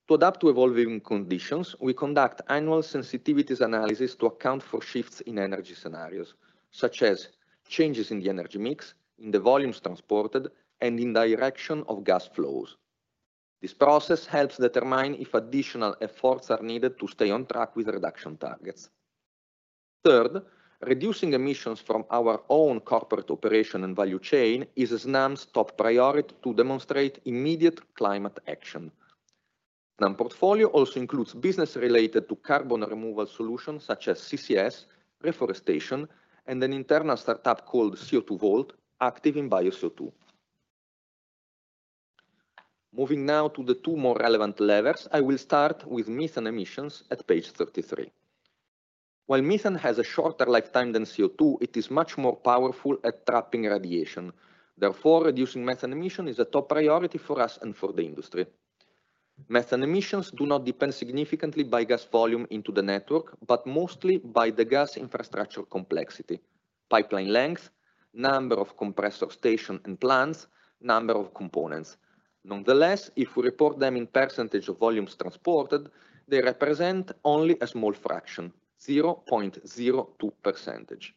to adapt to evolving conditions, we conduct annual sensitivity analysis to account for shifts in energy scenarios, such as changes in the energy mix, in the volumes transported, and in direction of gas flows. This process helps determine if additional efforts are needed to stay on track with reduction targets. Third, reducing emissions from our own corporate operation and value chain is Snam's top priority to demonstrate immediate climate action. Snam portfolio also includes business related to carbon removal solutions such as CCS, reforestation, and an internal startup CO2Vault, active in bio-CO2. Moving now to the two more relevant levels, I will start with methane emissions at page 33. While methane has a shorter lifetime than CO2, it is much more powerful at trapping radiation. Therefore, reducing methane emission is a top priority for us and for the industry. Methane emissions do not depend significantly by gas volume into the network, but mostly by the gas infrastructure complexity, pipeline length, number of compressor station and plants, number of components. Nonetheless, if we report them in percentage of volumes transported, they represent only a small fraction, 0.02%.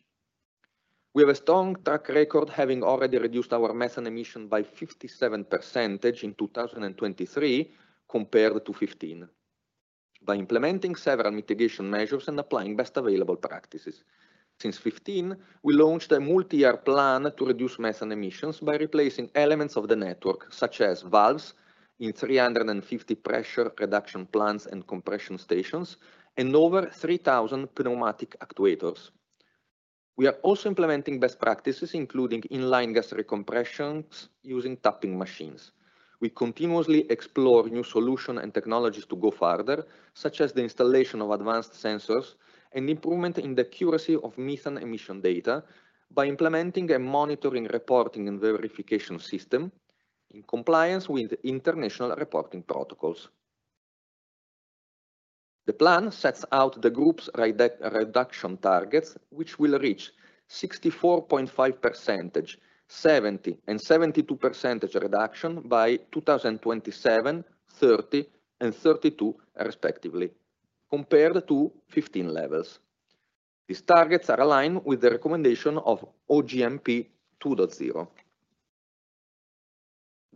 We have a strong track record, having already reduced our methane emission by 57% in 2023 compared to 2015, by implementing several mitigation measures and applying best available practices. Since 2015, we launched a multi-year plan to reduce methane emissions by replacing elements of the network, such as valves in 350 pressure reduction plants and compression stations, and over 3,000 pneumatic actuators. We are also implementing best practices, including in-line gas recompressions using tapping machines. We continuously explore new solutions and technologies to go farther, such as the installation of advanced sensors and improvement in the accuracy of methane emission data by implementing a monitoring, reporting, and verification system in compliance with international reporting protocols. The plan sets out the group's wide reduction targets, which will reach 64.5%, 70%, and 72% reduction by 2027, 2030, and 2032, respectively, compared to 2015 levels. These targets are aligned with the recommendation of OGMP 2.0.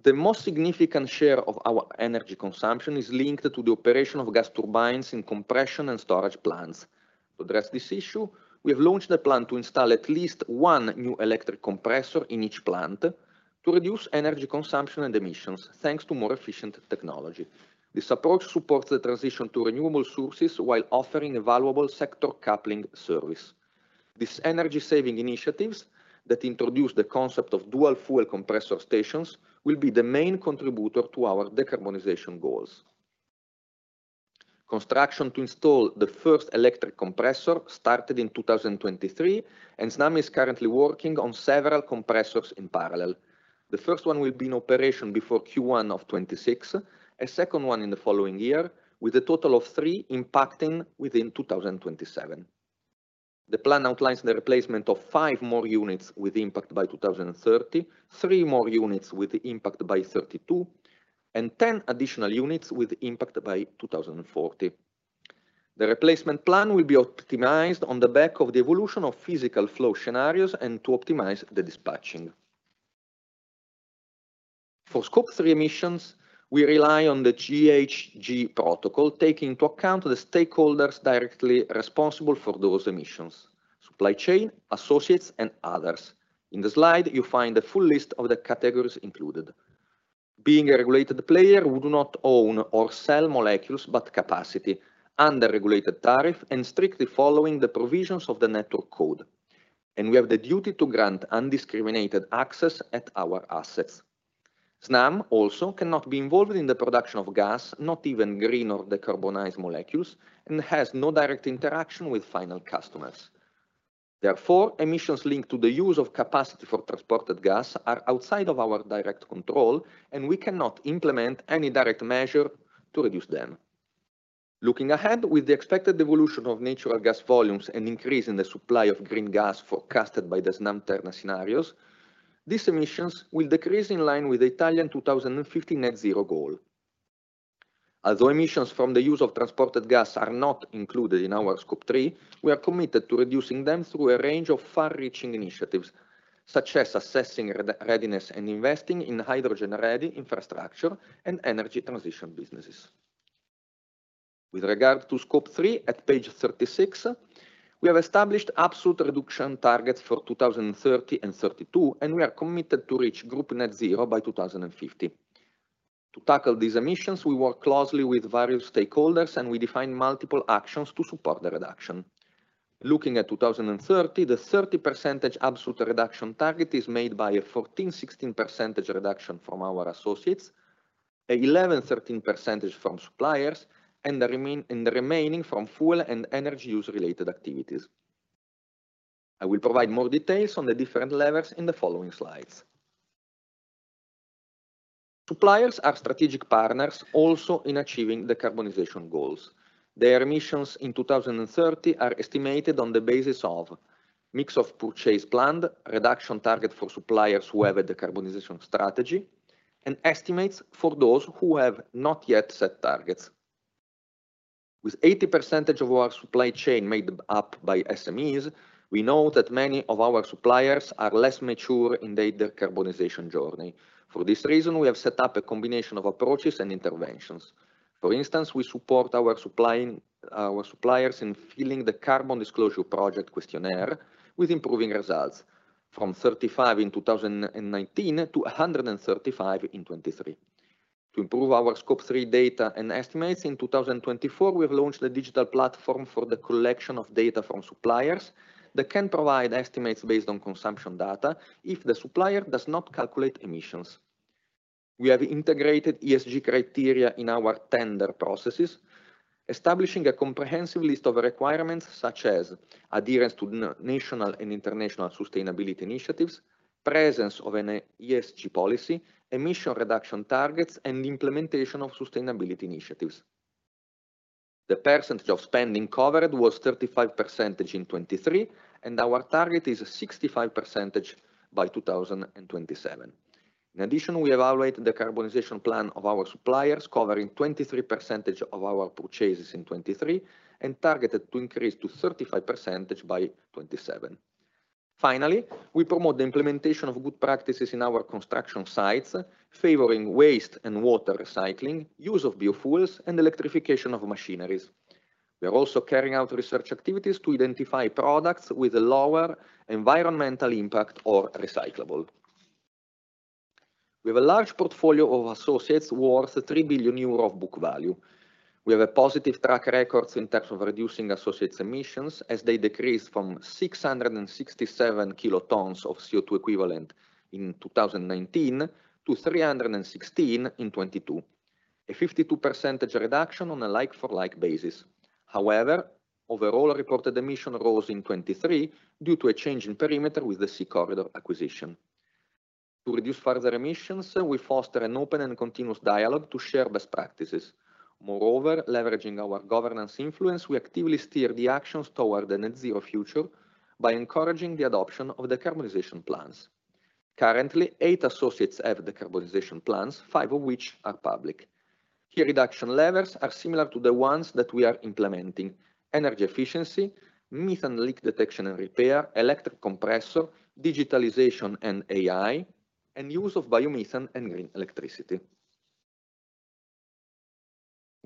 The most significant share of our energy consumption is linked to the operation of gas turbines in compression and storage plants. To address this issue, we have launched a plan to install at least one new electric compressor in each plant to reduce energy consumption and emissions, thanks to more efficient technology. This approach supports the transition to renewable sources while offering a valuable sector coupling service. This energy-saving initiatives that introduce the concept of dual-fuel compressor stations will be the main contributor to our decarbonization goals. Construction to install the first electric compressor started in 2023, and Snam is currently working on several compressors in parallel. The first one will be in operation before Q1 of 2026, a second one in the following year, with a total of three impacting within 2027. The plan outlines the replacement of five more units with impact by 2030, three more units with impact by 2032, and 10 additional units with impact by 2040. The replacement plan will be optimized on the back of the evolution of physical flow scenarios and to optimize the dispatching. For Scope 3 emissions, we rely on the GHG Protocol, taking into account the stakeholders directly responsible for those emissions, supply chain, associates, and others. In the slide, you find the full list of the categories included. Being a regulated player, we do not own or sell molecules, but capacity under regulated tariff and strictly following the provisions of the network code, and we have the duty to grant non-discriminatory access at our assets. Snam also cannot be involved in the production of gas, not even green or decarbonized molecules, and has no direct interaction with final customers. Therefore, emissions linked to the use of capacity for transported gas are outside of our direct control, and we cannot implement any direct measure to reduce them. Looking ahead, with the expected evolution of natural gas volumes and increase in the supply of green gas forecasted by the Snam Terna scenarios, these emissions will decrease in line with the Italian 2050 Net Zero goal. Although emissions from the use of transported gas are not included in our Scope 3, we are committed to reducing them through a range of far-reaching initiatives, such as assessing H2 readiness and investing in hydrogen-ready infrastructure and energy transition businesses. With regard to Scope 3, at page 36, we have established absolute reduction targets for 2030 and 2032, and we are committed to reach group net zero by 2050. To tackle these emissions, we work closely with various stakeholders, and we define multiple actions to support the reduction. Looking at 2030, the 30% absolute reduction target is made by a 14%-16% reduction from our associates, 11%-13% from suppliers, and the remaining from fuel and energy use related activities. I will provide more details on the different levels in the following slides. Suppliers are strategic partners also in achieving decarbonization goals. Their emissions in 2030 are estimated on the basis of mix of purchase planned, reduction target for suppliers who have a decarbonization strategy, and estimates for those who have not yet set targets. With 80% of our supply chain made up by SMEs, we know that many of our suppliers are less mature in their decarbonization journey. For this reason, we have set up a combination of approaches and interventions. For instance, we support our suppliers in filling the Carbon Disclosure Project questionnaire with improving results, from 35 in 2019 to 135 in 2023. To improve our Scope 3 data and estimates, in 2024, we have launched a digital platform for the collection of data from suppliers that can provide estimates based on consumption data if the supplier does not calculate emissions. We have integrated ESG criteria in our tender processes, establishing a comprehensive list of requirements, such as adherence to national and international sustainability initiatives, presence of an ESG policy, emission reduction targets, and implementation of sustainability initiatives. The percentage of spending covered was 35% in 2023, and our target is 65% by 2027. In addition, we evaluate the decarbonization plan of our suppliers, covering 23% of our purchases in 2023, and targeted to increase to 35% by 2027. Finally, we promote the implementation of good practices in our construction sites, favoring waste and water recycling, use of biofuels, and electrification of machineries. We are also carrying out research activities to identify products with a lower environmental impact or recyclable. We have a large portfolio of associates worth 3 billion euro of book value. We have a positive track record in terms of reducing associates' emissions, as they decreased from 667 kilotons of CO2 equivalent in 2019 to 316 in 2022, a 52% reduction on a like-for-like basis. However, overall reported emissions rose in 2023 due to a change in perimeter with the SeaCorridor acquisition. To reduce further emissions, we foster an open and continuous dialogue to share best practices. Moreover, leveraging our governance influence, we actively steer the actions toward a net zero future by encouraging the adoption of decarbonization plans. Currently, eight associates have decarbonization plans, five of which are public. Key reduction levers are similar to the ones that we are implementing: energy efficiency, methane leak detection and repair, electric compressor, digitalization and AI, and use of biomethane and green electricity.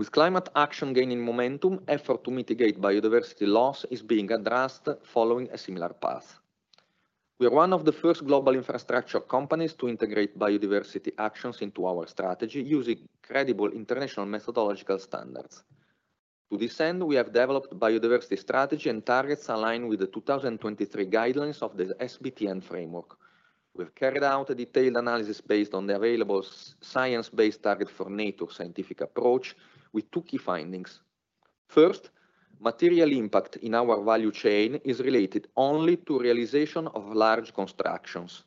With climate action gaining momentum, effort to mitigate biodiversity loss is being addressed following a similar path. We are one of the first global infrastructure companies to integrate biodiversity actions into our strategy, using credible international methodological standards. To this end, we have developed biodiversity strategy and targets aligned with the 2023 guidelines of the SBTN framework. We've carried out a detailed analysis based on the available science-based target for nature scientific approach, with two key findings. First, material impact in our value chain is related only to realization of large constructions.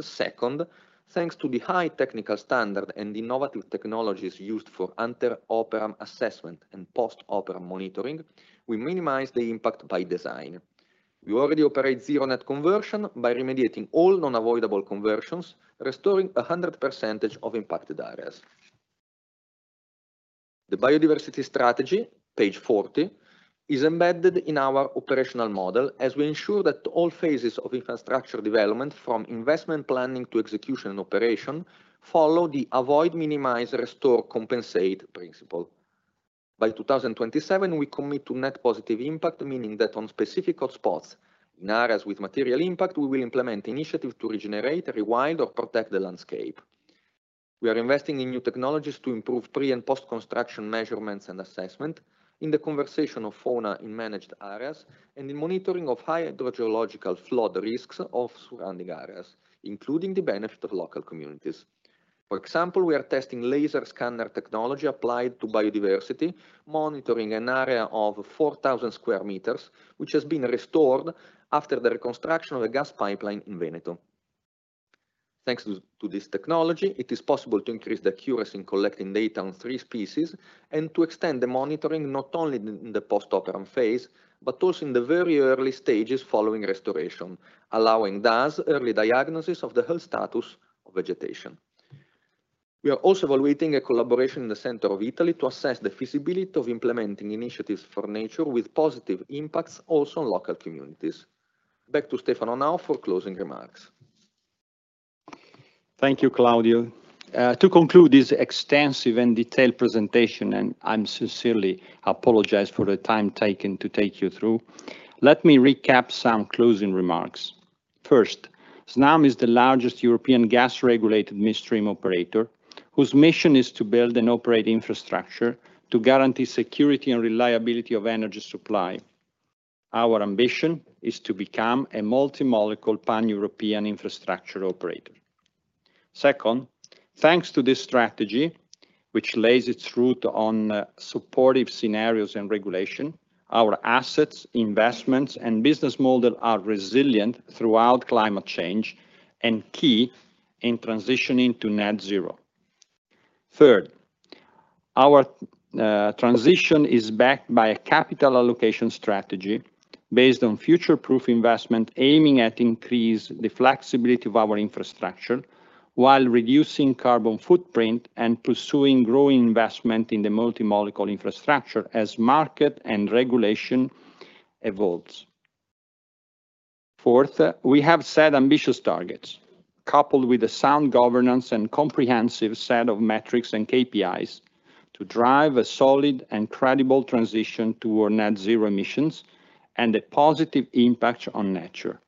Second, thanks to the high technical standard and innovative technologies used for inter-operam assessment and post-operam monitoring, we minimize the impact by design. We already operate zero net conversion by remediating all non-avoidable conversions, restoring 100% of impacted areas. The biodiversity strategy, page 40, is embedded in our operational model as we ensure that all phases of infrastructure development, from investment planning to execution and operation, follow the avoid, minimize, restore, compensate principle. By 2027, we commit to net positive impact, meaning that on specific hotspots, in areas with material impact, we will implement initiatives to regenerate, rewild, or protect the landscape. We are investing in new technologies to improve pre- and post-construction measurements and assessment in the conservation of fauna in managed areas and in monitoring of high hydrogeological flood risks of surrounding areas, including the benefit of local communities. For example, we are testing laser scanner technology applied to biodiversity, monitoring an area of 4,000 sq m, which has been restored after the reconstruction of a gas pipeline in Veneto. Thanks to this technology, it is possible to increase the accuracy in collecting data on tree species and to extend the monitoring, not only in the post-operam phase, but also in the very early stages following restoration, allowing thus, early diagnosis of the health status of vegetation. We are also evaluating a collaboration in the center of Italy to assess the feasibility of implementing initiatives for nature with positive impacts also on local communities. Back to Stefano now for closing remarks. Thank you, Claudio. To conclude this extensive and detailed presentation, and I sincerely apologize for the time taken to take you through, let me recap some closing remarks. First, Snam is the largest European gas regulated midstream operator, whose mission is to build and operate infrastructure to guarantee security and reliability of energy supply. Our ambition is to become a multi-molecule pan-European infrastructure operator. Second, thanks to this strategy, which lays its root on, supportive scenarios and regulation, our assets, investments, and business model are resilient throughout climate change and key in transitioning to net zero. Third, our transition is backed by a capital allocation strategy based on future-proof investment, aiming at increase the flexibility of our infrastructure while reducing carbon footprint and pursuing growing investment in the multi-molecule infrastructure as market and regulation evolves. Fourth, we have set ambitious targets, coupled with a sound governance and comprehensive set of metrics and KPIs, to drive a solid and credible transition toward net zero emissions and a positive impact on nature.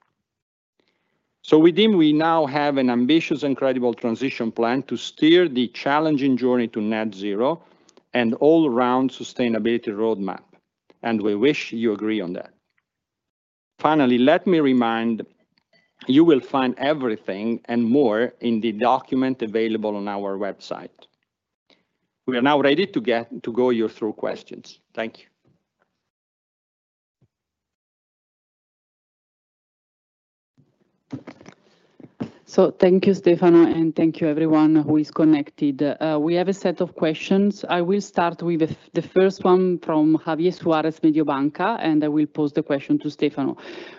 So we think we now have an ambitious and credible transition plan to steer the challenging journey to net zero and all-around sustainability roadmap, and we wish you agree on that. Finally, let me remind you, you will find everything and more in the document available on our website. We are now ready to take your questions. Thank you. So thank you, Stefano, and thank you everyone who is connected. We have a set of questions. I will start with the first one from Javier Suarez, Mediobanca, and I will pose the question to Stefano.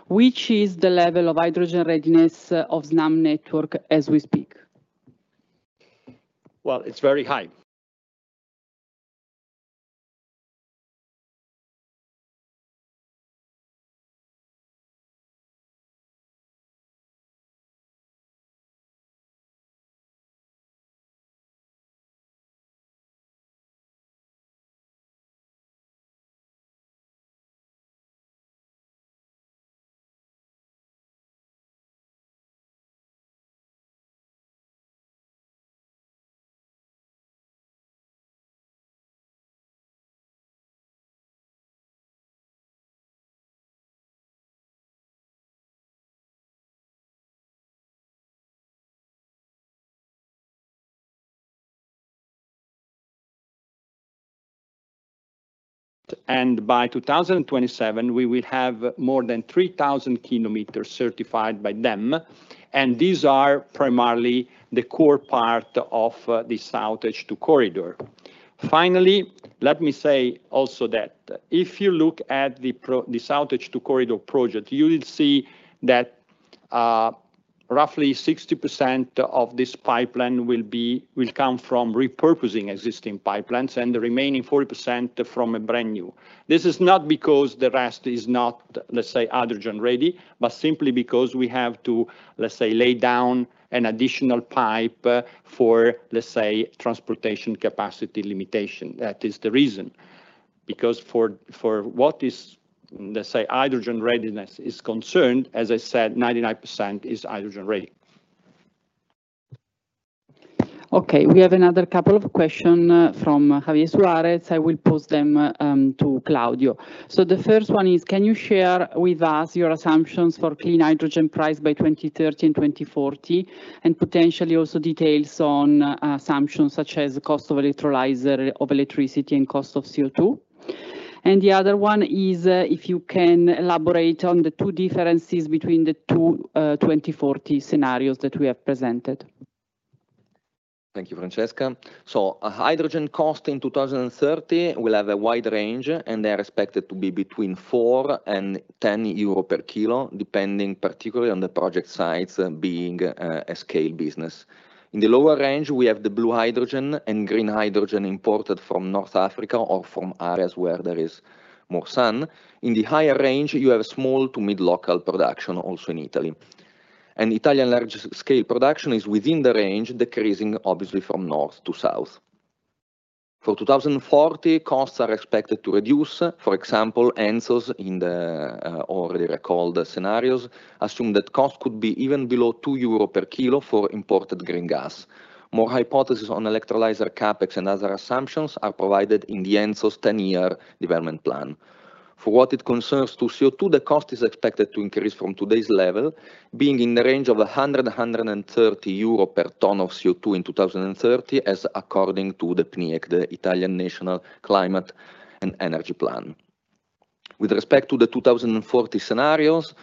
Which is the level of hydrogen readiness of Snam network as we speak? It's very high. And by 2027, we will have more than 3,000 km certified by them, and these are primarily the core part of the SoutH2 Corridor. Finally, let me say also that if you look at the SoutH2 Corridor project, you will see that roughly 60% of this pipeline will come from repurposing existing pipelines, and the remaining 40% from a brand new. This is not because the rest is not, let's say, hydrogen-ready, but simply because we have to, let's say, lay down an additional pipe for, let's say, transportation capacity limitation. That is the reason. Because for what is, let's say, hydrogen readiness is concerned, as I said, 99% is hydrogen-ready. Okay, we have another couple of question from Javier Suarez. I will pose them to Claudio. So the first one is, can you share with us your assumptions for clean hydrogen price by 2030 and 2040, and potentially also details on assumptions such as cost of electrolyzer, of electricity, and cost of CO2? And the other one is, if you can elaborate on the two differences between the two 2040 scenarios that we have presented. Thank you, Francesca. So a hydrogen cost in 2030 will have a wide range, and they are expected to be between four and 10 euro per kilo, depending particularly on the project sites being a scale business. In the lower range, we have the blue hydrogen and green hydrogen imported from North Africa or from areas where there is more sun. In the higher range, you have small to mid local production also in Italy. And Italian large scale production is within the range, decreasing obviously from north to south. For 2040, costs are expected to reduce. For example, ENTSOG in the already recalled scenarios, assume that cost could be even below 2 euro per kilo for imported green gas. More hypotheses on electrolyzer CapEx and other assumptions are provided in the ENTSOG 10-year development plan. For what it concerns to CO2, the cost is expected to increase from today's level, being in the range of 100-130 euro per ton of CO2 in 2030, as according to the PNIEC, the Italian National Climate and Energy Plan. With respect to the 2040 scenarios,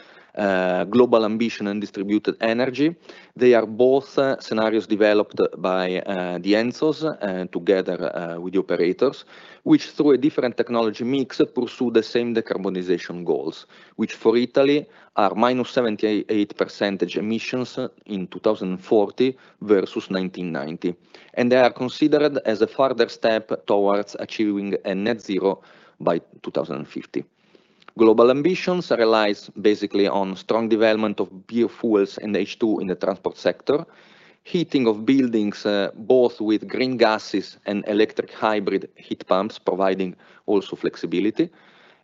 global ambition and Distributed Energy, they are both scenarios developed by the ENTSOG, together with the operators, which through a different technology mix, pursue the same decarbonization goals. Which for Italy, are minus 78% emissions in 2040 versus 1990, and they are considered as a further step towards achieving a net zero by 2050. Global Ambition relies basically on strong development of biofuels and H2 in the transport sector. Heating of buildings, both with green gases and electric hybrid heat pumps, providing also flexibility.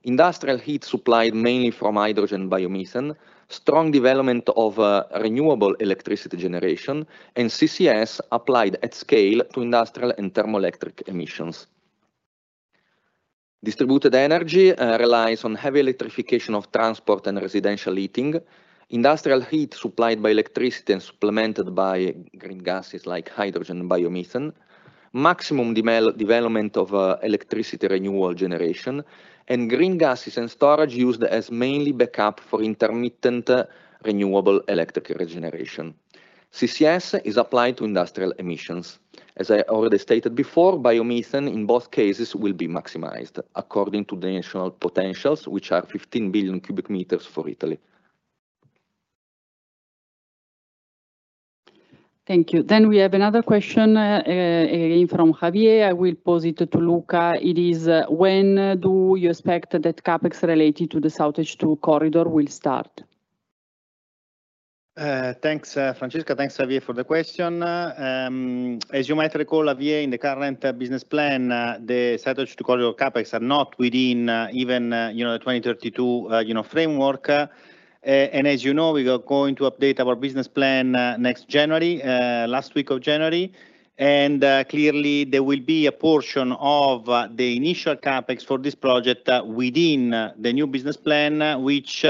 Industrial heat supplied mainly from hydrogen biomethane, strong development of, renewable electricity generation, and CCS applied at scale to industrial and thermoelectric emissions. Distributed Energy, relies on heavy electrification of transport and residential heating, industrial heat supplied by electricity and supplemented by green gases like hydrogen and biomethane, maximum development of, electricity renewable generation, and green gases and storage used as mainly backup for intermittent, renewable electric generation. CCS is applied to industrial emissions. As I already stated before, biomethane, in both cases, will be maximized according to the initial potentials, which are 15 billion cubic meters for Italy. Thank you. Then we have another question from Javier. I will pose it to Luca. It is: When do you expect that CapEx related to the SoutH2 Corridor will start? Thanks, Francesca. Thanks, Javier, for the question. As you might recall, Javier, in the current business plan, the SoutH2 Corridor CapEx are not within even, you know, the 2032, you know, framework. And as you know, we are going to update our business plan next January, last week of January. And clearly there will be a portion of the initial CapEx for this project within the new business plan, which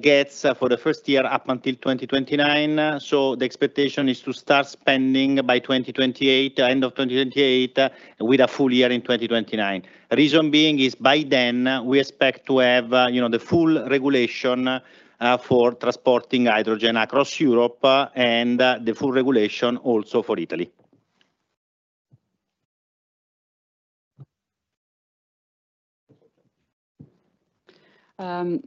gets for the first year up until 2029. So the expectation is to start spending by 2028, end of 2028, with a full year in 2029. Reason being is by then, we expect to have, you know, the full regulation for transporting hydrogen across Europe, and the full regulation also for Italy.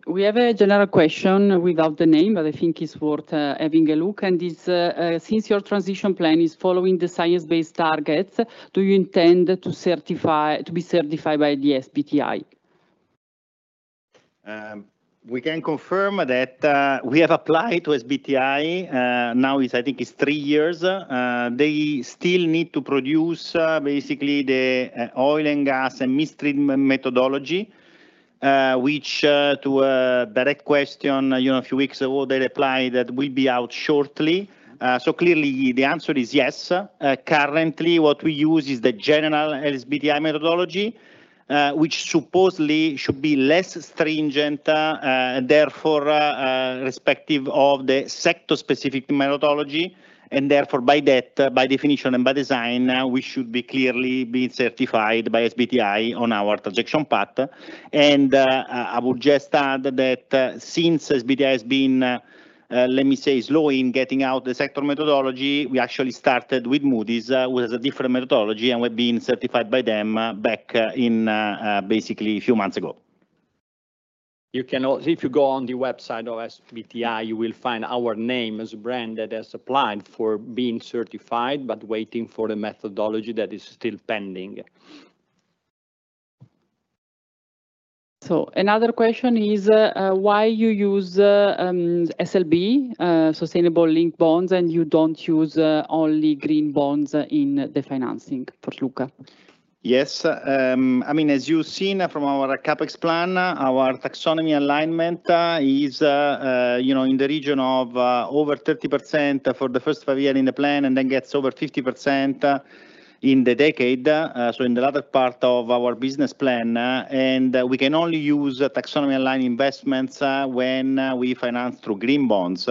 We have a general question without the name, but I think it's worth having a look. And it's: Since your transition plan is following the science-based targets, do you intend to certify... to be certified by the SBTi? We can confirm that we have applied to SBTi. Now, I think it's three years. They still need to produce basically the oil and gas midstream methodology, which, to a direct question, you know, a few weeks ago, they replied that will be out shortly. So clearly, the answer is yes. Currently, what we use is the general SBTi methodology, which supposedly should be less stringent therefore respective of the sector-specific methodology, and therefore, by that, by definition and by design, we should be clearly being certified by SBTi on our transition path. I would just add that since SBTi has been, let me say, slow in getting out the sector methodology, we actually started with Moody's with a different methodology, and we've been certified by them back in basically a few months ago. You can, if you go on the website of SBTi, you will find our name as a brand that has applied for being certified, but waiting for the methodology that is still pending. So another question is, why you use SLB, sustainability-linked bonds, and you don't use only green bonds in the financing? For Luca. Yes. I mean, as you've seen from our CapEx plan, our Taxonomy alignment is, you know, in the region of over 30% for the first five year in the plan, and then gets over 50% in the decade, so in the latter part of our business plan, and we can only use Taxonomy aligned investments when we finance through green bonds.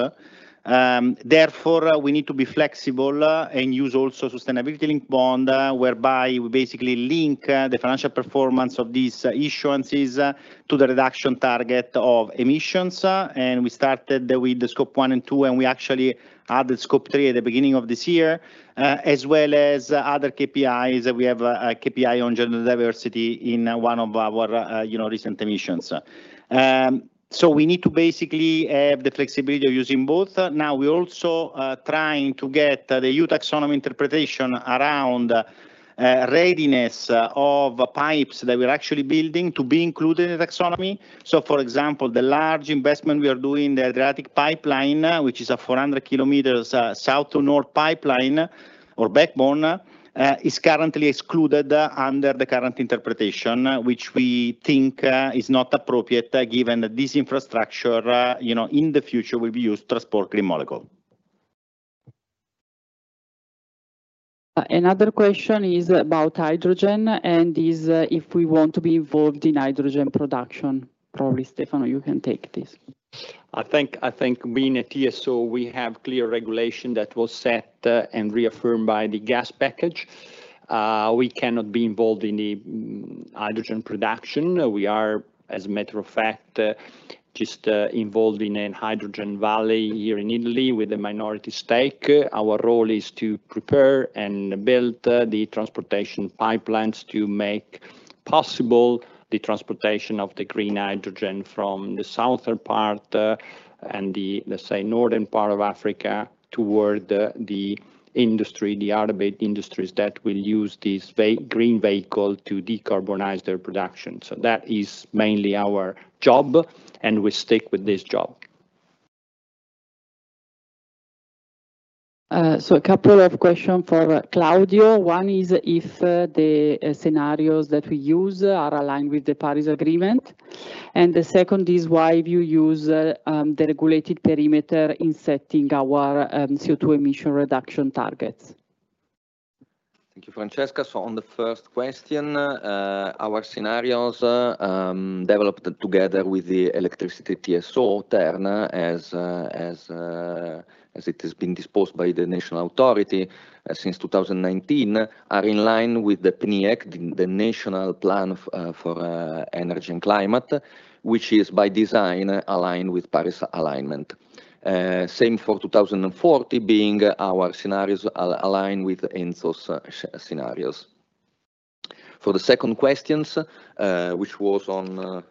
Therefore, we need to be flexible and use also sustainability linked bond, whereby we basically link the financial performance of these issuances to the reduction target of emissions, and we started with the Scope 1 and 2, and we actually added Scope 3 at the beginning of this year as well as other KPIs. We have a KPI on gender diversity in one of our, you know, recent emissions. So we need to basically have the flexibility of using both. Now, we're also trying to get the new Taxonomy interpretation around readiness of pipes that we're actually building to be included in the Taxonomy. So for example, the large investment we are doing, the Adriatic Pipeline, which is a 400 km south to north pipeline or backbone, is currently excluded under the current interpretation, which we think is not appropriate, given that this infrastructure, you know, in the future, will be used to transport green molecule. Another question is about hydrogen, and is, if we want to be involved in hydrogen production. Probably, Stefano, you can take this. I think being a TSO, we have clear regulation that was set and reaffirmed by the Gas Package. We cannot be involved in the hydrogen production. We are, as a matter of fact, just involved in a hydrogen valley here in Italy with a minority stake. Our role is to prepare and build the transportation pipelines to make possible the transportation of the green hydrogen from the southern part and the, let's say, northern part of Africa, toward the industry, the ultimate industries that will use this green vehicle to decarbonize their production. So that is mainly our job, and we stick with this job.... so a couple of questions for Claudio. One is, if the scenarios that we use are aligned with the Paris Agreement, and the second is, why you use the regulated perimeter in setting our CO2 emission reduction targets? Thank you, Francesca. So on the first question, our scenarios, developed together with the electricity TSO Terna as it has been disposed by the national authority, since 2019, are in line with the PNIEC, the National Plan for Energy and Climate, which is by design aligned with Paris alignment. Same for 2040, being our scenarios align with ENTSOs scenarios. For the second questions, which was on...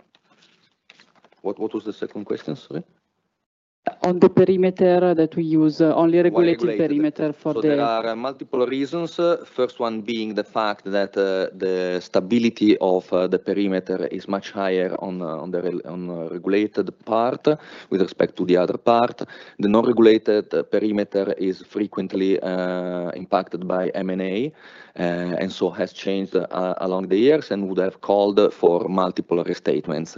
What was the second question, sorry? On the perimeter that we use, only regulated- Regulated perimeter for the There are multiple reasons. First one being the fact that the stability of the perimeter is much higher on the regulated part with respect to the other part. The non-regulated perimeter is frequently impacted by M&A and so has changed along the years and would have called for multiple restatements.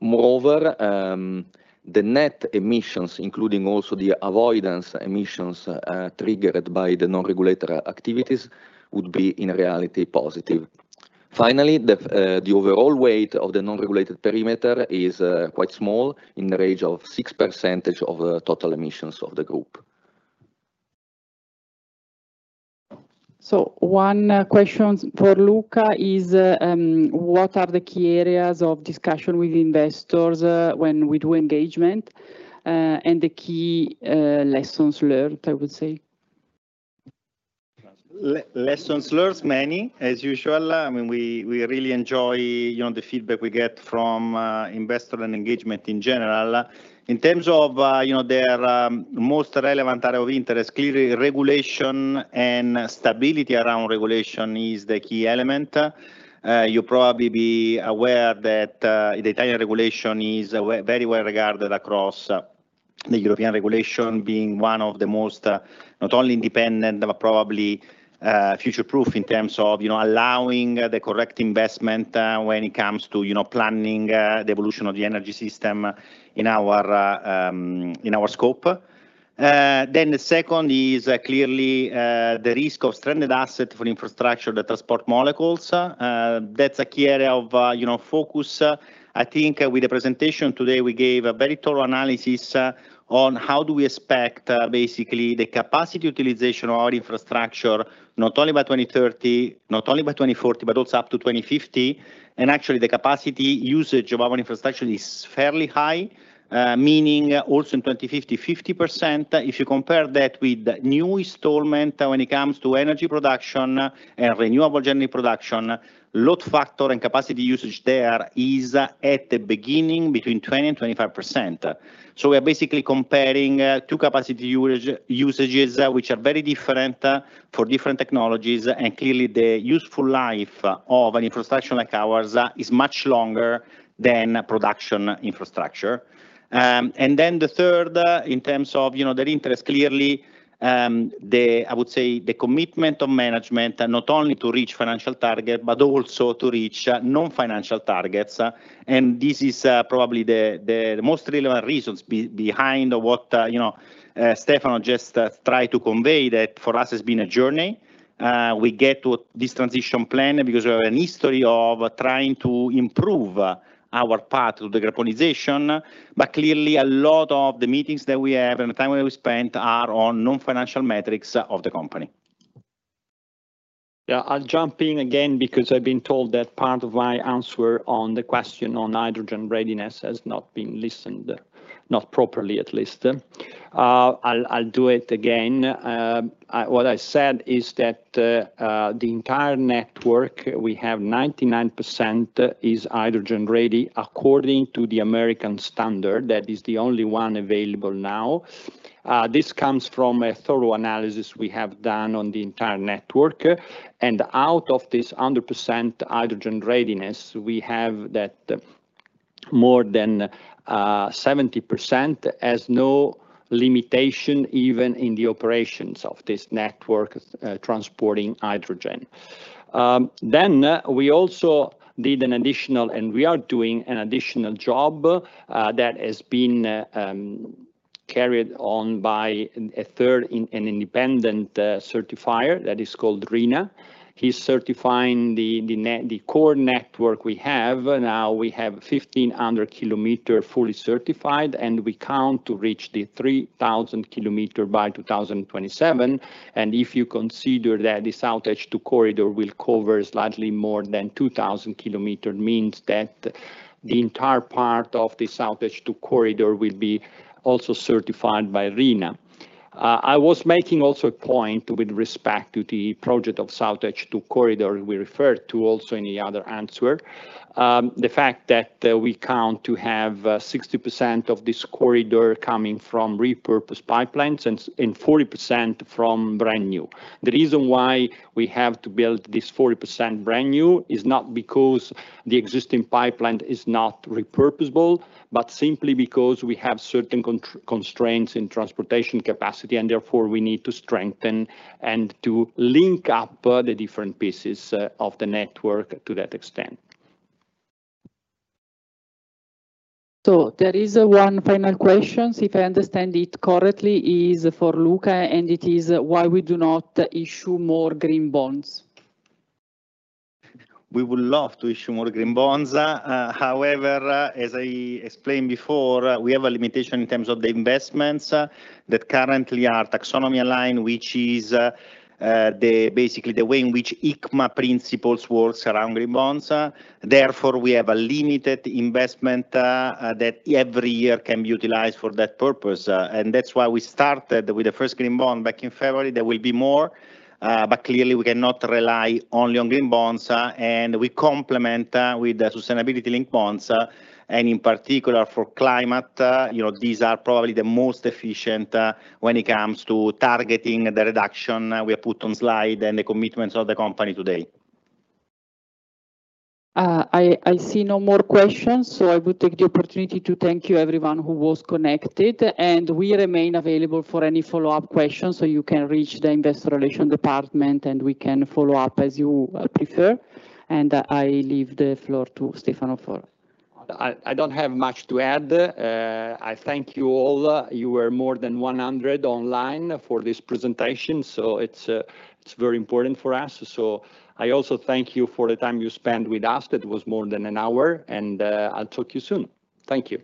Moreover, the net emissions, including also the avoidance emissions triggered by the non-regulatory activities, would be, in reality, positive. Finally, the overall weight of the non-regulated perimeter is quite small, in the range of 6% of the total emissions of the group. So one questions for Luca is: What are the key areas of discussion with investors, when we do engagement, and the key lessons learned, I would say? Lessons learned, many, as usual. I mean, we really enjoy, you know, the feedback we get from investor engagement in general. In terms of, you know, their most relevant area of interest, clearly, regulation and stability around regulation is the key element. You'll probably be aware that the Italian regulation is very well regarded across the European regulation, being one of the most not only independent, but probably future-proof in terms of, you know, allowing the correct investment when it comes to, you know, planning the evolution of the energy system in our scope. Then the second is clearly the risk of stranded asset for infrastructure that transport molecules. That's a key area of, you know, focus. I think with the presentation today, we gave a very thorough analysis on how we expect basically the capacity utilization of our infrastructure, not only by 2030, not only by 2040, but also up to 2050. And actually, the capacity usage of our infrastructure is fairly high, meaning also in 2050, 50%. If you compare that with new installment when it comes to energy production and renewable energy production, load factor and capacity usage there is at the beginning, between 20 and 25%. So we are basically comparing two capacity usages, which are very different for different technologies. And clearly, the useful life of an infrastructure like ours is much longer than production infrastructure. And then the third, in terms of, you know, their interest, clearly, the... I would say, the commitment of management, not only to reach financial target, but also to reach non-financial targets. And this is probably the most relevant reasons behind what you know Stefano just tried to convey, that for us has been a journey. We get to this transition plan because we have a history of trying to improve our path to decarbonization. But clearly, a lot of the meetings that we have and the time that we spent are on non-financial metrics of the company. Yeah, I'll jump in again because I've been told that part of my answer on the question on hydrogen readiness has not been listened, not properly, at least. I'll do it again. What I said is that the entire network, we have 99% is hydrogen-ready, according to the American standard. That is the only one available now. This comes from a thorough analysis we have done on the entire network. And out of this 100% hydrogen readiness, we have that more than 70% has no limitation, even in the operations of this network transporting hydrogen. Then, we also did an additional, and we are doing an additional job that has been carried on by an independent certifier that is called RINA. He's certifying the core network we have. Now, we have 1,500 km fully certified, and we count to reach the 3,000 km by 2027. And if you consider that the SoutH2 Corridor will cover slightly more than 2,000 km, means that the entire part of the SoutH2 Corridor will be also certified by RINA. I was making also a point with respect to the project of SoutH2 Corridor, we referred to also in the other answer. The fact that we count to have 60% of this corridor coming from repurposed pipelines and 40% from brand new. The reason why we have to build this 40% brand new is not because the existing pipeline is not repurposable, but simply because we have certain constraints in transportation capacity, and therefore, we need to strengthen and to link up the different pieces of the network to that extent. So there is one final question, if I understand it correctly, is for Luca, and it is: Why we do not issue more green bonds? We would love to issue more green bonds. However, as I explained before, we have a limitation in terms of the investments that currently are Taxonomy-aligned, which is basically the way in which ICMA principles works around green bonds. Therefore, we have a limited investment that every year can be utilized for that purpose, and that's why we started with the first green bond back in February. There will be more, but clearly, we cannot rely only on green bonds, and we complement with the sustainability-linked bonds, and in particular, for climate. You know, these are probably the most efficient when it comes to targeting the reduction we have put on slide and the commitments of the company today. I see no more questions, so I will take the opportunity to thank you, everyone who was connected, and we remain available for any follow-up questions. So you can reach the Investor Relations department, and we can follow up as you prefer. And I leave the floor to Stefano for- I don't have much to add. I thank you all. You were more than 100 online for this presentation, so it's very important for us. So I also thank you for the time you spent with us. It was more than an hour, and I'll talk to you soon. Thank you.